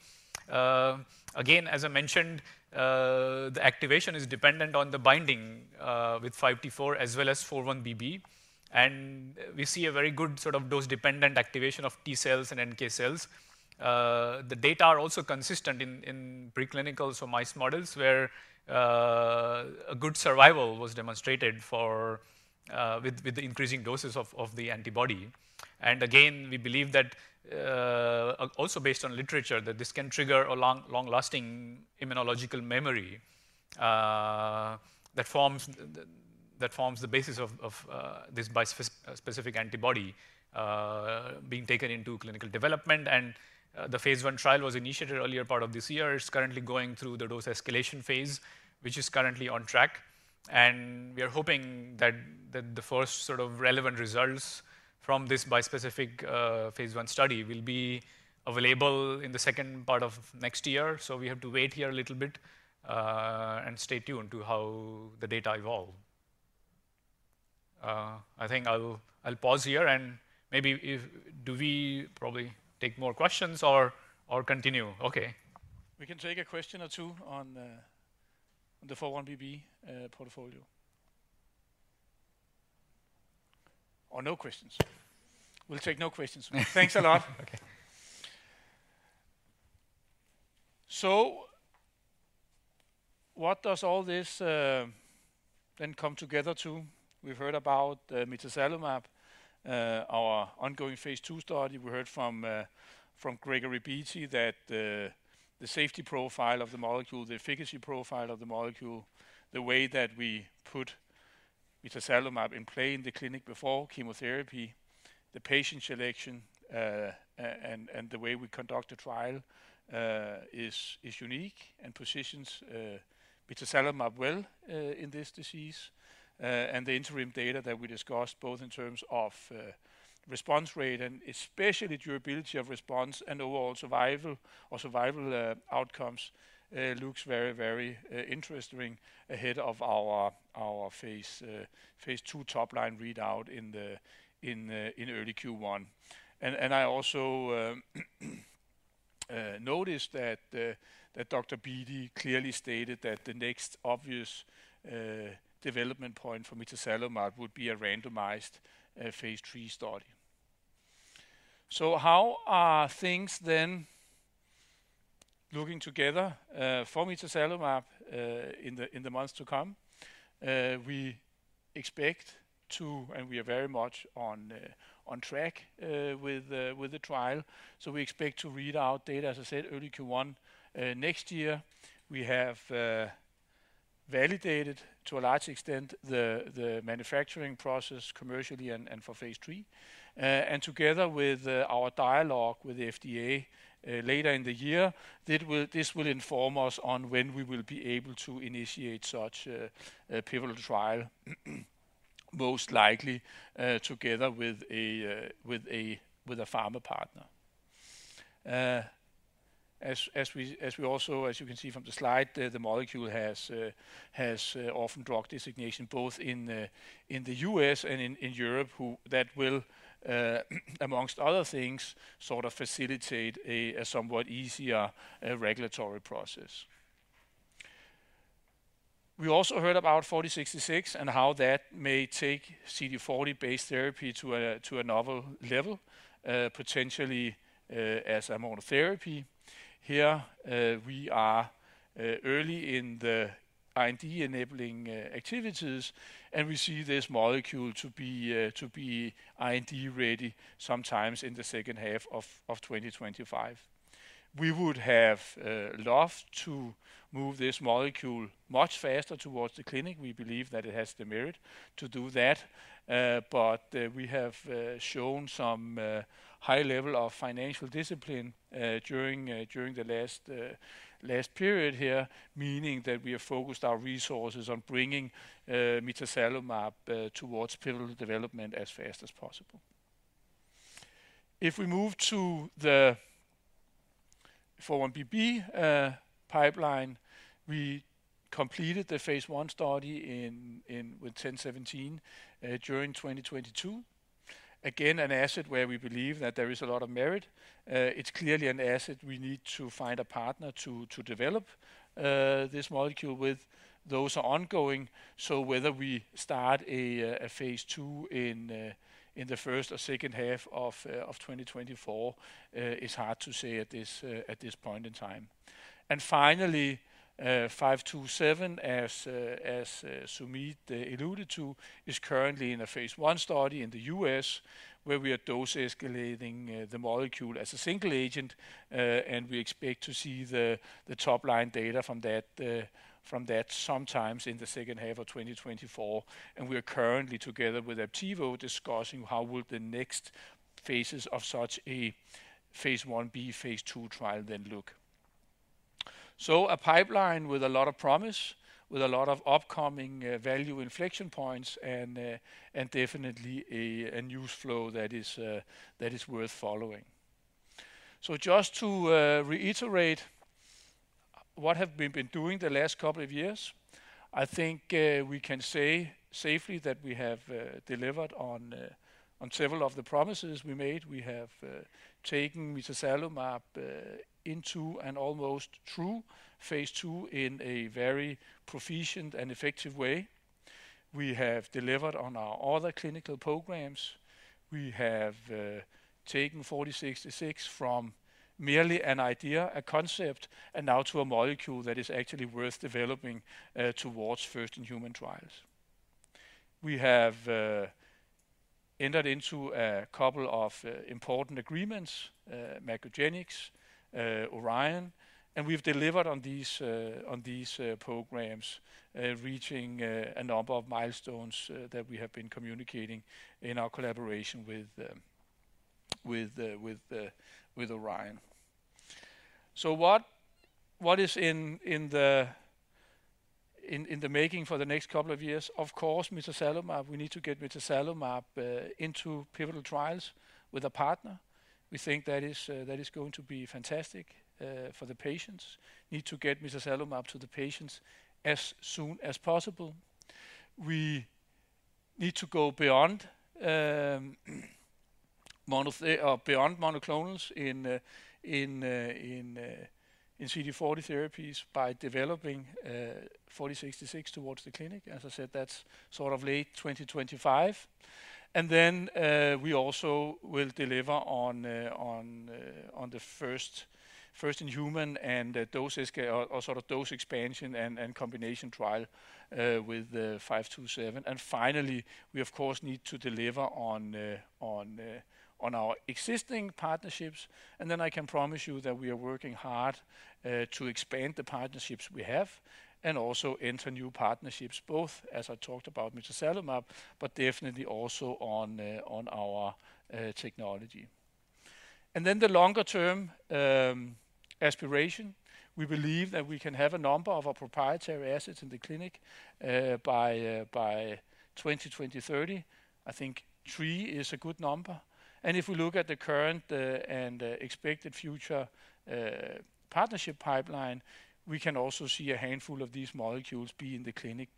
Again, as I mentioned, the activation is dependent on the binding with 5T4 as well as 4-1BB, and we see a very good sort of dose-dependent activation of T cells and NK cells. The data are also consistent in preclinical mouse models, where a good survival was demonstrated with the increasing doses of the antibody. And again, we believe that also based on literature that this can trigger a long-lasting immunological memory that forms the basis of this bispecific antibody being taken into clinical development. And the phase one trial was initiated earlier part of this year. It's currently going through the dose escalation phase, which is currently on track, and we are hoping that the first sort of relevant results from this bispecific phase I study will be available in the second part of next year. So we have to wait here a little bit and stay tuned to how the data evolve... I think I'll pause here, and maybe do we probably take more questions or continue? Okay. We can take a question or two on the 4-1BB portfolio. Or no questions. We'll take no questions. Thanks a lot. Okay. So what does all this then come together to? We've heard about mitazalimab, our ongoing phase II study. We heard from Gregory Beatty, that the safety profile of the molecule, the efficacy profile of the molecule, the way that we put mitazalimab in play in the clinic before chemotherapy, the patient selection, and the way we conduct a trial is unique and positions mitazalimab well in this disease. And the interim data that we discussed, both in terms of response rate and especially durability of response and overall survival or survival outcomes looks very, very interesting ahead of our phase II top line readout in early Q1. And I also noticed that.... Dr. Beatty clearly stated that the next obvious development point for mitazalimab would be a randomized phase III study. So how are things then looking together for mitazalimab in the months to come? We expect to and we are very much on track with the trial, so we expect to read out data, as I said, early Q1 next year. We have validated to a large extent the manufacturing process commercially and for phase III. And together with our dialogue with the FDA later in the year, this will inform us on when we will be able to initiate such a pivotal trial, most likely together with a pharma partner. As you can see from the slide, the molecule has orphan drug designation both in the U.S. and in Europe. That will, amongst other things, sort of facilitate a somewhat easier regulatory process. We also heard about ATOR-4066, and how that may take CD40-based therapy to another level, potentially, as a monotherapy. Here, we are early in the IND-enabling activities, and we see this molecule to be IND-ready sometime in the second half of 2025. We would have loved to move this molecule much faster towards the clinic. We believe that it has the merit to do that, but we have shown some high level of financial discipline during the last period here, meaning that we have focused our resources on bringing mitazalimab towards pivotal development as fast as possible. If we move to the 4-1BB pipeline, we completed the phase I study in with 1017 during 2022. Again, an asset where we believe that there is a lot of merit. It's clearly an asset we need to find a partner to develop this molecule with. Those are ongoing, so whether we start a phase II in the first or second half of 2024 is hard to say at this point in time. Finally, 527, as Sumeet alluded to, is currently in a phase I study in the U.S., where we are dose-escalating the molecule as a single agent. And we expect to see the top-line data from that sometimes in the second half of 2024. And we are currently, together with AbbVie, discussing how the next phases of such a phase Ib, phase II trial then look. So a pipeline with a lot of promise, with a lot of upcoming value inflection points, and definitely a news flow that is worth following. So just to reiterate what we have been doing the last couple of years, I think we can say safely that we have delivered on several of the promises we made. We have taken mitazalimab into and almost through phase II in a very proficient and effective way. We have delivered on our other clinical programs. We have taken 40-66 from merely an idea, a concept, and now to a molecule that is actually worth developing towards first-in-human trials. We have entered into a couple of important agreements, MacroGenics, Orion, and we've delivered on these programs, reaching a number of milestones that we have been communicating in our collaboration with Orion. So what is in the making for the next couple of years? Of course, mitazalimab. We need to get mitazalimab into pivotal trials with a partner. We think that is going to be fantastic for the patients. Need to get mitazalimab to the patients as soon as possible. We need to go beyond monoclonals in CD40 therapies by developing ATOR-4066 towards the clinic. As I said, that's sort of late 2025. And then we also will deliver on the first in human and dose escalation or sort of dose expansion and combination trial with the ALG.APV-527. And finally, we, of course, need to deliver on our existing partnerships, and then I can promise you that we are working hard to expand the partnerships we have, and also enter new partnerships, both as I talked about mitazalimab, but definitely also on our technology. Then the longer term aspiration, we believe that we can have a number of our proprietary assets in the clinic by 2030. I think three is a good number. If we look at the current and expected future partnership pipeline, we can also see a handful of these molecules be in the clinic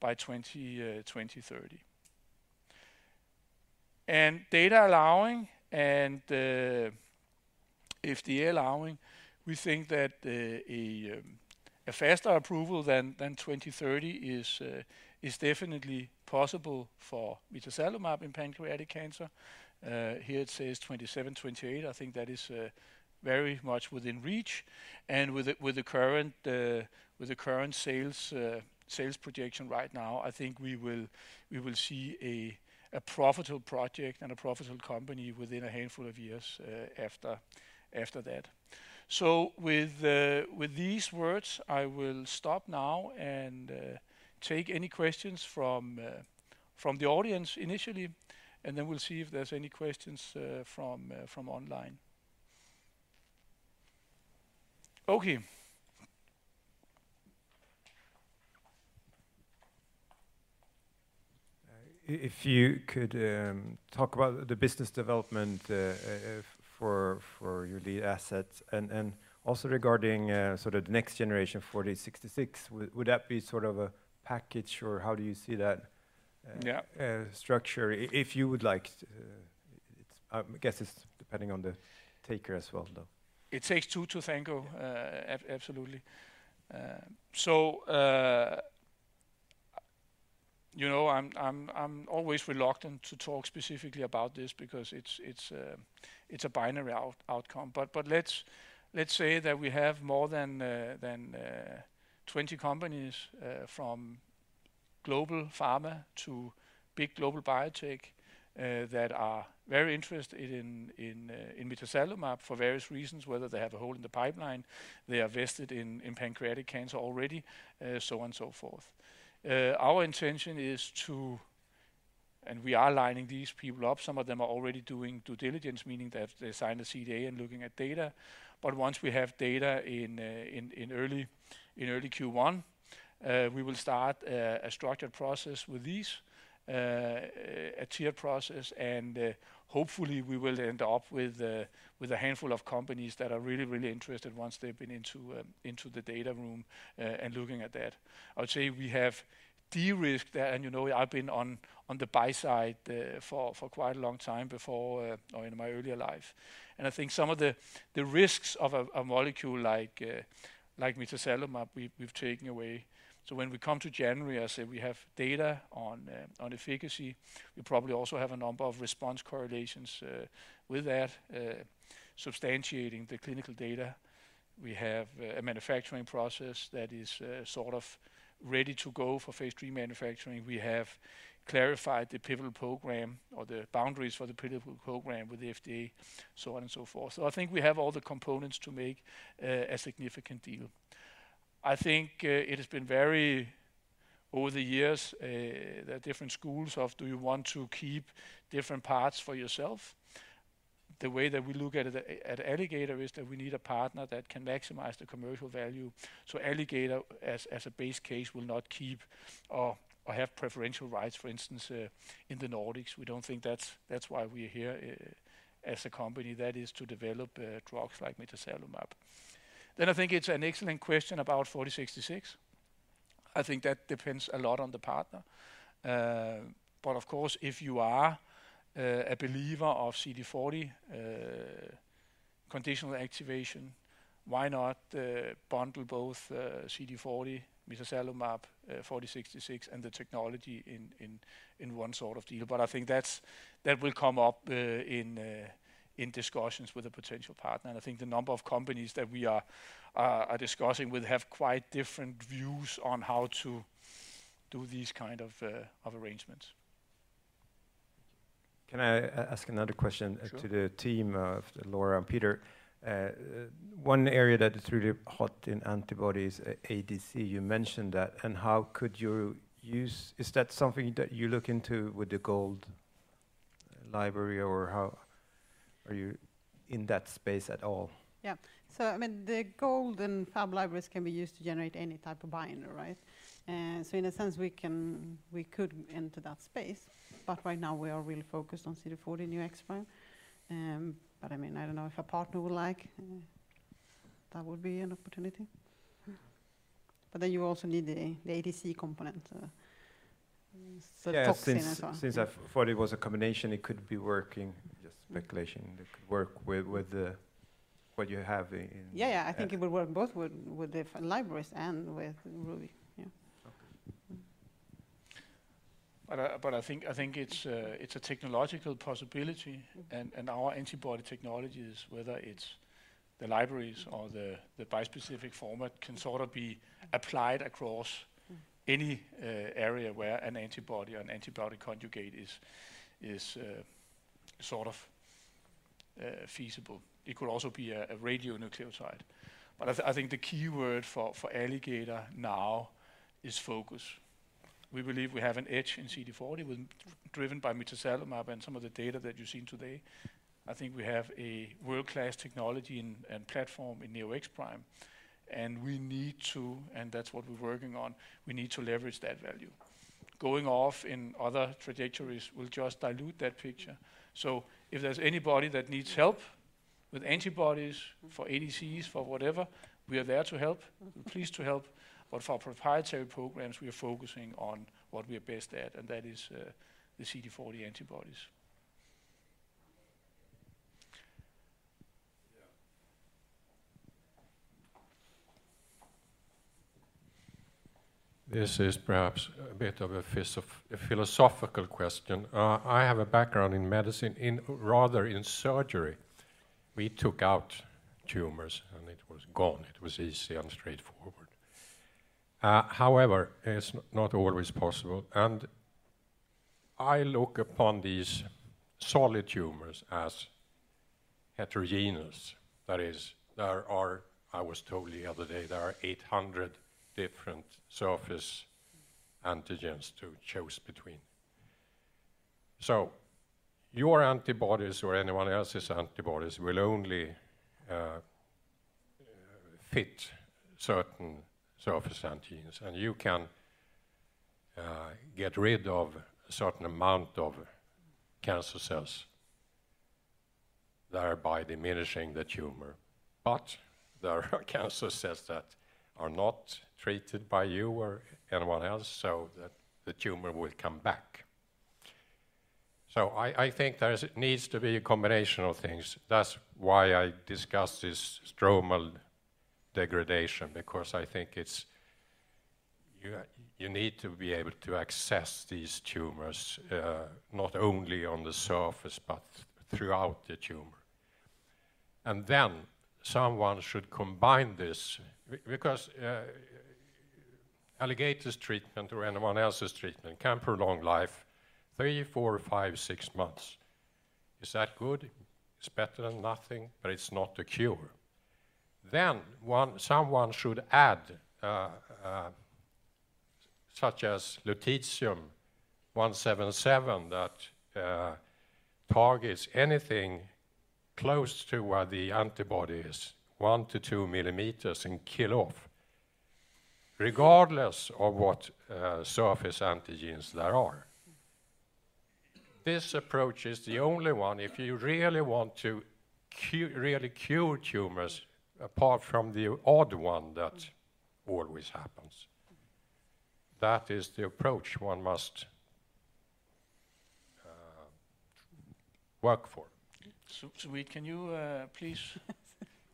by 2030. Data allowing, and if the allowing, we think that a faster approval than 2030 is definitely possible for mitazalimab in pancreatic cancer. Here it says 2027-2028. I think that is very much within reach, and with the current sales projection right now, I think we will see a profitable project and a profitable company within a handful of years after that. So with these words, I will stop now and take any questions from the audience initially, and then we'll see if there's any questions from online. Okay. If you could talk about the business development for your lead assets and also regarding sort of the next generation of ATOR-4066, would that be sort of a package, or how do you see that? Yeah. Structure? If you would like to, it's... I guess it's depending on the taker as well, though. It takes two to tango- Yeah. Absolutely. So, you know, I'm always reluctant to talk specifically about this because it's a binary outcome. But let's say that we have more than 20 companies from global pharma to big global biotech that are very interested in mitazalimab for various reasons, whether they have a hole in the pipeline, they are vested in pancreatic cancer already, so on and so forth. Our intention is to... And we are lining these people up. Some of them are already doing due diligence, meaning that they signed a CDA and looking at data. Once we have data in early Q1, we will start a structured process with these, a tier process, and hopefully, we will end up with a handful of companies that are really, really interested once they've been into the data room and looking at that. I would say we have de-risked that, and you know, I've been on the buy side for quite a long time before or in my earlier life. I think some of the risks of a molecule like mitazalimab, we've taken away. When we come to January, I say we have data on efficacy. We probably also have a number of response correlations with that substantiating the clinical data. We have a manufacturing process that is sort of ready to go for phase III manufacturing. We have clarified the pivotal program or the boundaries for the pivotal program with the FDA, so on and so forth. So I think we have all the components to make a significant deal. I think it has been very... Over the years, there are different schools of do you want to keep different parts for yourself? The way that we look at it at Alligator is that we need a partner that can maximize the commercial value. So Alligator, as a base case, will not keep or have preferential rights, for instance, in the Nordics. We don't think that's why we're here as a company. That is to develop drugs like mitazalimab. Then I think it's an excellent question about ATOR-4066. I think that depends a lot on the partner. But of course, if you are a believer of CD40 conditional activation, why not bundle both CD40, mitazalimab, ATOR-4066, and the technology in one sort of deal? But I think that will come up in discussions with a potential partner. And I think the number of companies that we are discussing will have quite different views on how to do these kind of arrangements. Can I ask another question? Sure. -to the team of Laura and Peter? One area that is really hot in antibodies, ADC, you mentioned that, and how could you use- Is that something that you look into with the GOLD library, or how are you in that space at all? Yeah. So I mean, the GOLD and FAB libraries can be used to generate any type of binder, right? So in a sense, we can we could enter that space, but right now we are really focused on CD40 Neo-X-Prime. But I mean, I don't know if a partner would like that would be an opportunity. But then you also need the ADC component, so toxin as well. Yeah, since I thought it was a combination, it could be working. Just speculation. It could work with the what you have in- Yeah, yeah, I think it would work both with, with the libraries and with RUBY. Yeah. Okay. But I think it's a technological possibility. And our antibody technologies, whether it's the libraries or the bispecific format, can sort of be applied across- Mm... any area where an antibody or an antibody conjugate is sort of feasible. It could also be a radionuclide. But I think the key word for Alligator now is focus. We believe we have an edge in CD40 driven by mitazalimab and some of the data that you've seen today. I think we have a world-class technology and platform in Neo-X-Prime, and we need to, and that's what we're working on, we need to leverage that value. Going off in other trajectories will just dilute that picture. So if there's anybody that needs help with antibodies, for ADCs, for whatever, we are there to help- Mm-hmm.... pleased to help. But for our proprietary programs, we are focusing on what we are best at, and that is, the CD40 antibodies. Yeah. This is perhaps a bit of a philosophical question. I have a background in medicine, rather in surgery. We took out tumors, and it was gone. It was easy and straightforward. However, it's not always possible, and I look upon these solid tumors as heterogeneous. That is, I was told the other day, there are 800 different surface antigens to choose between. So your antibodies or anyone else's antibodies will only fit certain surface antigens, and you can get rid of a certain amount of cancer cells, thereby diminishing the tumor. But there are cancer cells that are not treated by you or anyone else, so the tumor will come back. So I think there's needs to be a combination of things. That's why I discussed this stromal degradation, because I think it's... You need to be able to access these tumors, not only on the surface, but throughout the tumor. And then, someone should combine this because Alligator's treatment or anyone else's treatment can prolong life three, four, five, six months. Is that good? It's better than nothing, but it's not a cure. Then someone should add such as lutetium 177, that targets anything close to where the antibody is, 1-2 millimeters, and kill off, regardless of what surface antigens there are. This approach is the only one if you really want to really cure tumors, apart from the odd one that always happens. That is the approach one must work for. So, Sweet, can you please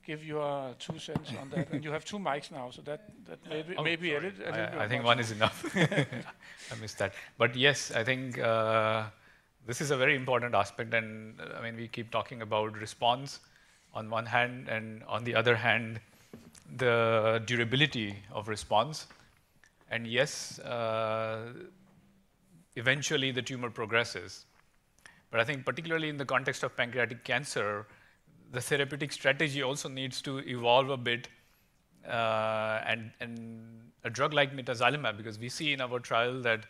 give your two cents on that? And you have two mics now, so that maybe. Oh, sorry. I think one is enough. I missed that. But yes, I think this is a very important aspect, and I mean, we keep talking about response on one hand, and on the other hand, the durability of response. And yes, eventually, the tumor progresses. But I think particularly in the context of pancreatic cancer, the therapeutic strategy also needs to evolve a bit, and a drug like mitazalimab, because we see in our trial that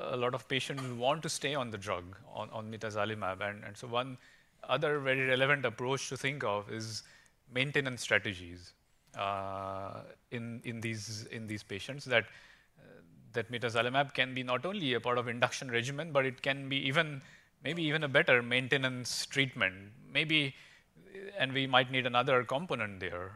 a lot of patients want to stay on the drug, on mitazalimab. And so one other very relevant approach to think of is maintenance strategies, in these patients that mitazalimab can be not only a part of induction regimen, but it can be even, maybe even a better maintenance treatment. Maybe, and we might need another component there.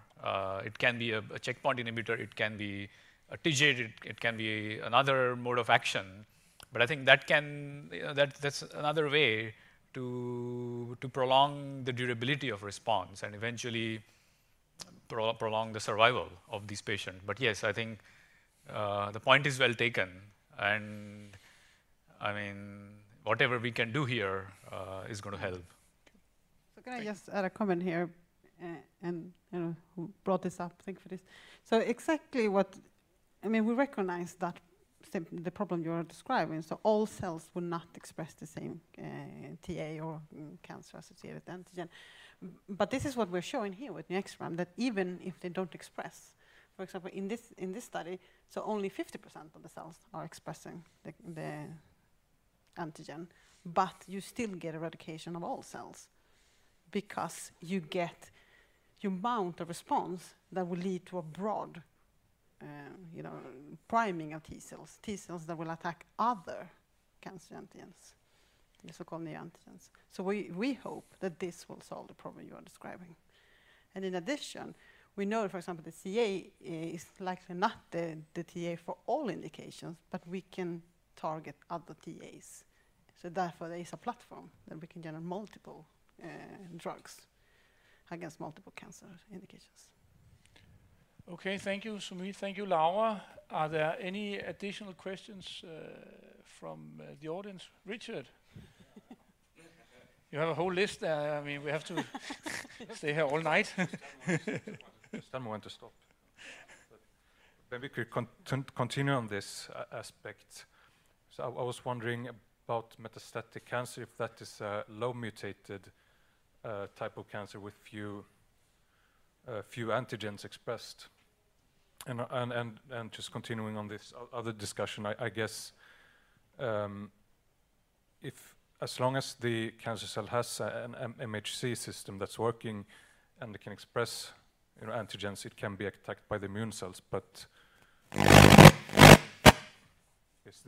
It can be a checkpoint inhibitor, it can be a TGA, it can be another mode of action. But I think that's another way to prolong the durability of response and eventually prolong the survival of these patients. But yes, I think the point is well taken, and I mean, whatever we can do here is gonna help. So can I just add a comment here? And, you know, who brought this up. Thank you for this. So exactly what—I mean, we recognize that the problem you are describing, so all cells will not express the same, TA or cancer-associated antigen. But this is what we're showing here with Neo-X-Prime, that even if they don't express, for example, in this, in this study, so only 50% of the cells are expressing the antigen, but you still get eradication of all cells because you get... You mount a response that will lead to a broad, you know, priming of T cells, T cells that will attack other cancer antigens... the so-called neoantigens. So we hope that this will solve the problem you are describing. In addition, we know, for example, the CA is likely not the TA for all indications, but we can target other TAs. Therefore, there is a platform that we can generate multiple drugs against multiple cancer indications. Okay, thank you, Sumeet. Thank you, Laura. Are there any additional questions from the audience? Richard? You have a whole list there. I mean, we have to stay here all night.... Someone wants to stop. But maybe we could continue on this aspect. So I was wondering about metastatic cancer, if that is a low mutated type of cancer with few antigens expressed. Just continuing on this other discussion, I guess, if as long as the cancer cell has an MHC system that's working and it can express, you know, antigens, it can be attacked by the immune cells. But is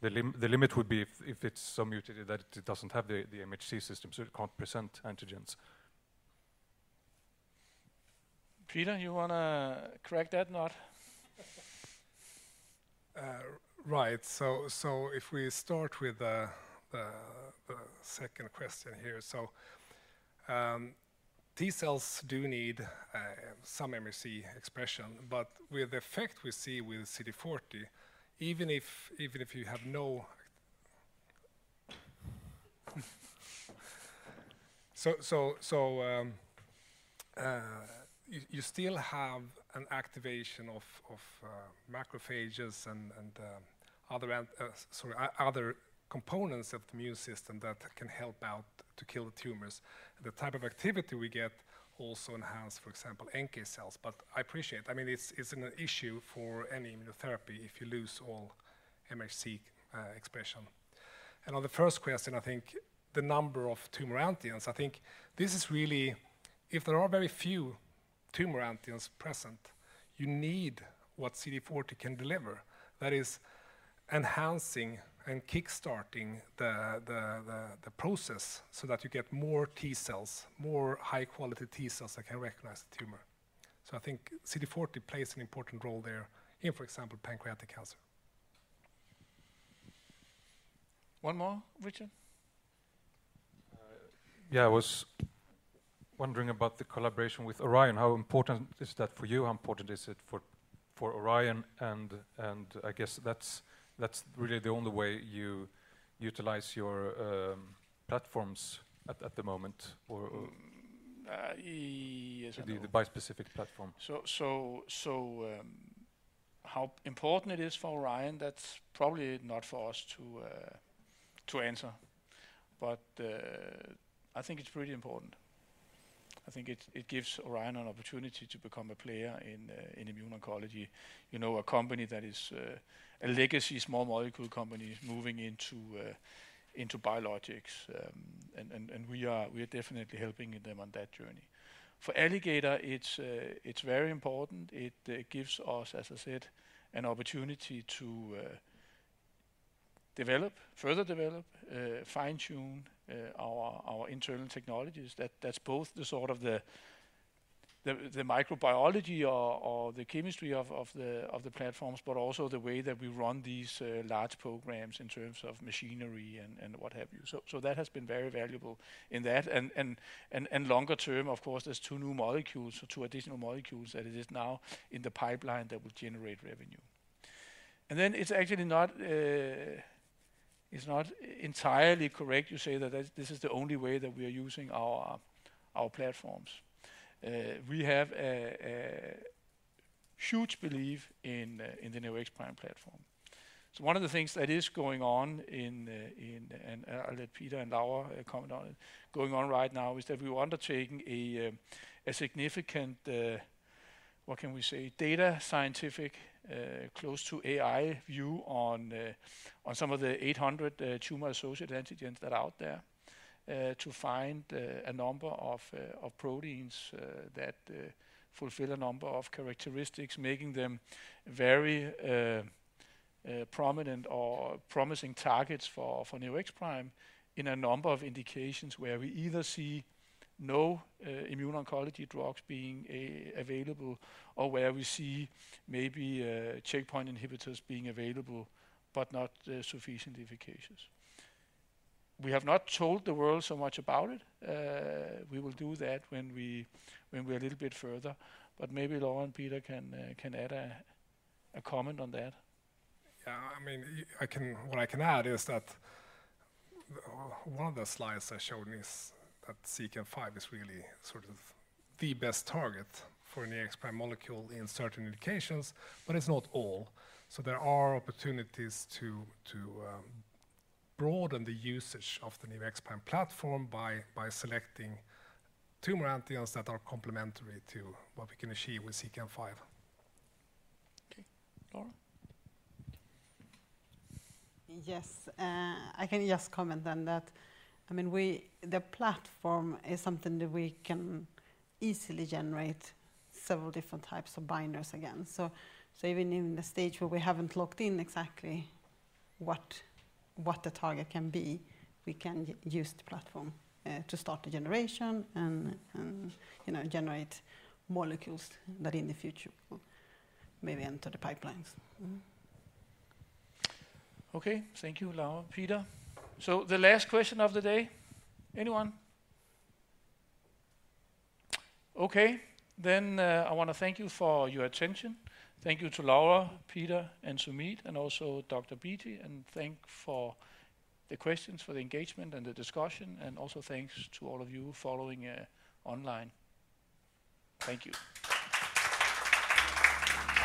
the limit would be if it's so mutated that it doesn't have the MHC system, so it can't present antigens. Peter, you wanna correct that or not? Right. So if we start with the second question here. T cells do need some MHC expression, but with the effect we see with CD40, even if you have no... you still have an activation of macrophages and other components of the immune system that can help out to kill the tumors. The type of activity we get also enhance, for example, NK cells. But I appreciate, I mean, it's an issue for any immunotherapy if you lose all MHC expression. On the first question, I think the number of tumor antigens, I think this is really... If there are very few tumor antigens present, you need what CD40 can deliver. That is enhancing and kickstarting the process so that you get more T cells, more high-quality T cells that can recognize the tumor. So I think CD40 plays an important role there, in, for example, pancreatic cancer. One more, Richard? Yeah. I was wondering about the collaboration with Orion. How important is that for you? How important is it for Orion? And I guess that's really the only way you utilize your platforms at the moment, or- Uh, yes. The bispecific platform. So, how important it is for Orion, that's probably not for us to answer. But, I think it's pretty important. I think it gives Orion an opportunity to become a player in immuno-oncology. You know, a company that is a legacy small molecule company moving into biologics. And we are definitely helping them on that journey. For Alligator, it's very important. It gives us, as I said, an opportunity to develop, further develop, fine-tune our internal technologies. That's both the sort of the microbiology or the chemistry of the platforms, but also the way that we run these large programs in terms of machinery and what have you. So that has been very valuable in that. And longer term, of course, there's two new molecules or two additional molecules that it is now in the pipeline that will generate revenue. And then it's actually not entirely correct, you say that this is the only way that we are using our platforms. We have a huge belief in the Neo-X-Prime platform. So one of the things that is going on, and I'll let Peter and Laura comment on it, going on right now, is that we are undertaking a significant, what can we say? Data scientific close to AI view on some of the 800 tumor-associated antigens that are out there to find a number of proteins that fulfill a number of characteristics, making them very prominent or promising targets for Neo-X-Prime in a number of indications, where we either see no immuno-oncology drugs being available, or where we see maybe checkpoint inhibitors being available, but not sufficiently efficacious. We have not told the world so much about it. We will do that when we're a little bit further, but maybe Laura and Peter can add a comment on that. Yeah, I mean, what I can add is that one of the slides I showed is that CEACAM5 is really sort of the best target for a Neo-X-Prime molecule in certain indications, but it's not all. So there are opportunities to broaden the usage of the Neo-X-Prime platform by selecting tumor antigens that are complementary to what we can achieve with CEACAM5. Okay. Laura? Yes, I can just comment on that. I mean, the platform is something that we can easily generate several different types of binders again. So even in the stage where we haven't locked in exactly what the target can be, we can use the platform to start the generation and, you know, generate molecules that in the future will maybe enter the pipelines. Okay. Thank you, Laura, Peter. So the last question of the day, anyone? Okay, then, I wanna thank you for your attention. Thank you to Laura, Peter, and Sumeet, and also Dr. Beatty. And thank for the questions, for the engagement and the discussion, and also thanks to all of you following online. Thank you.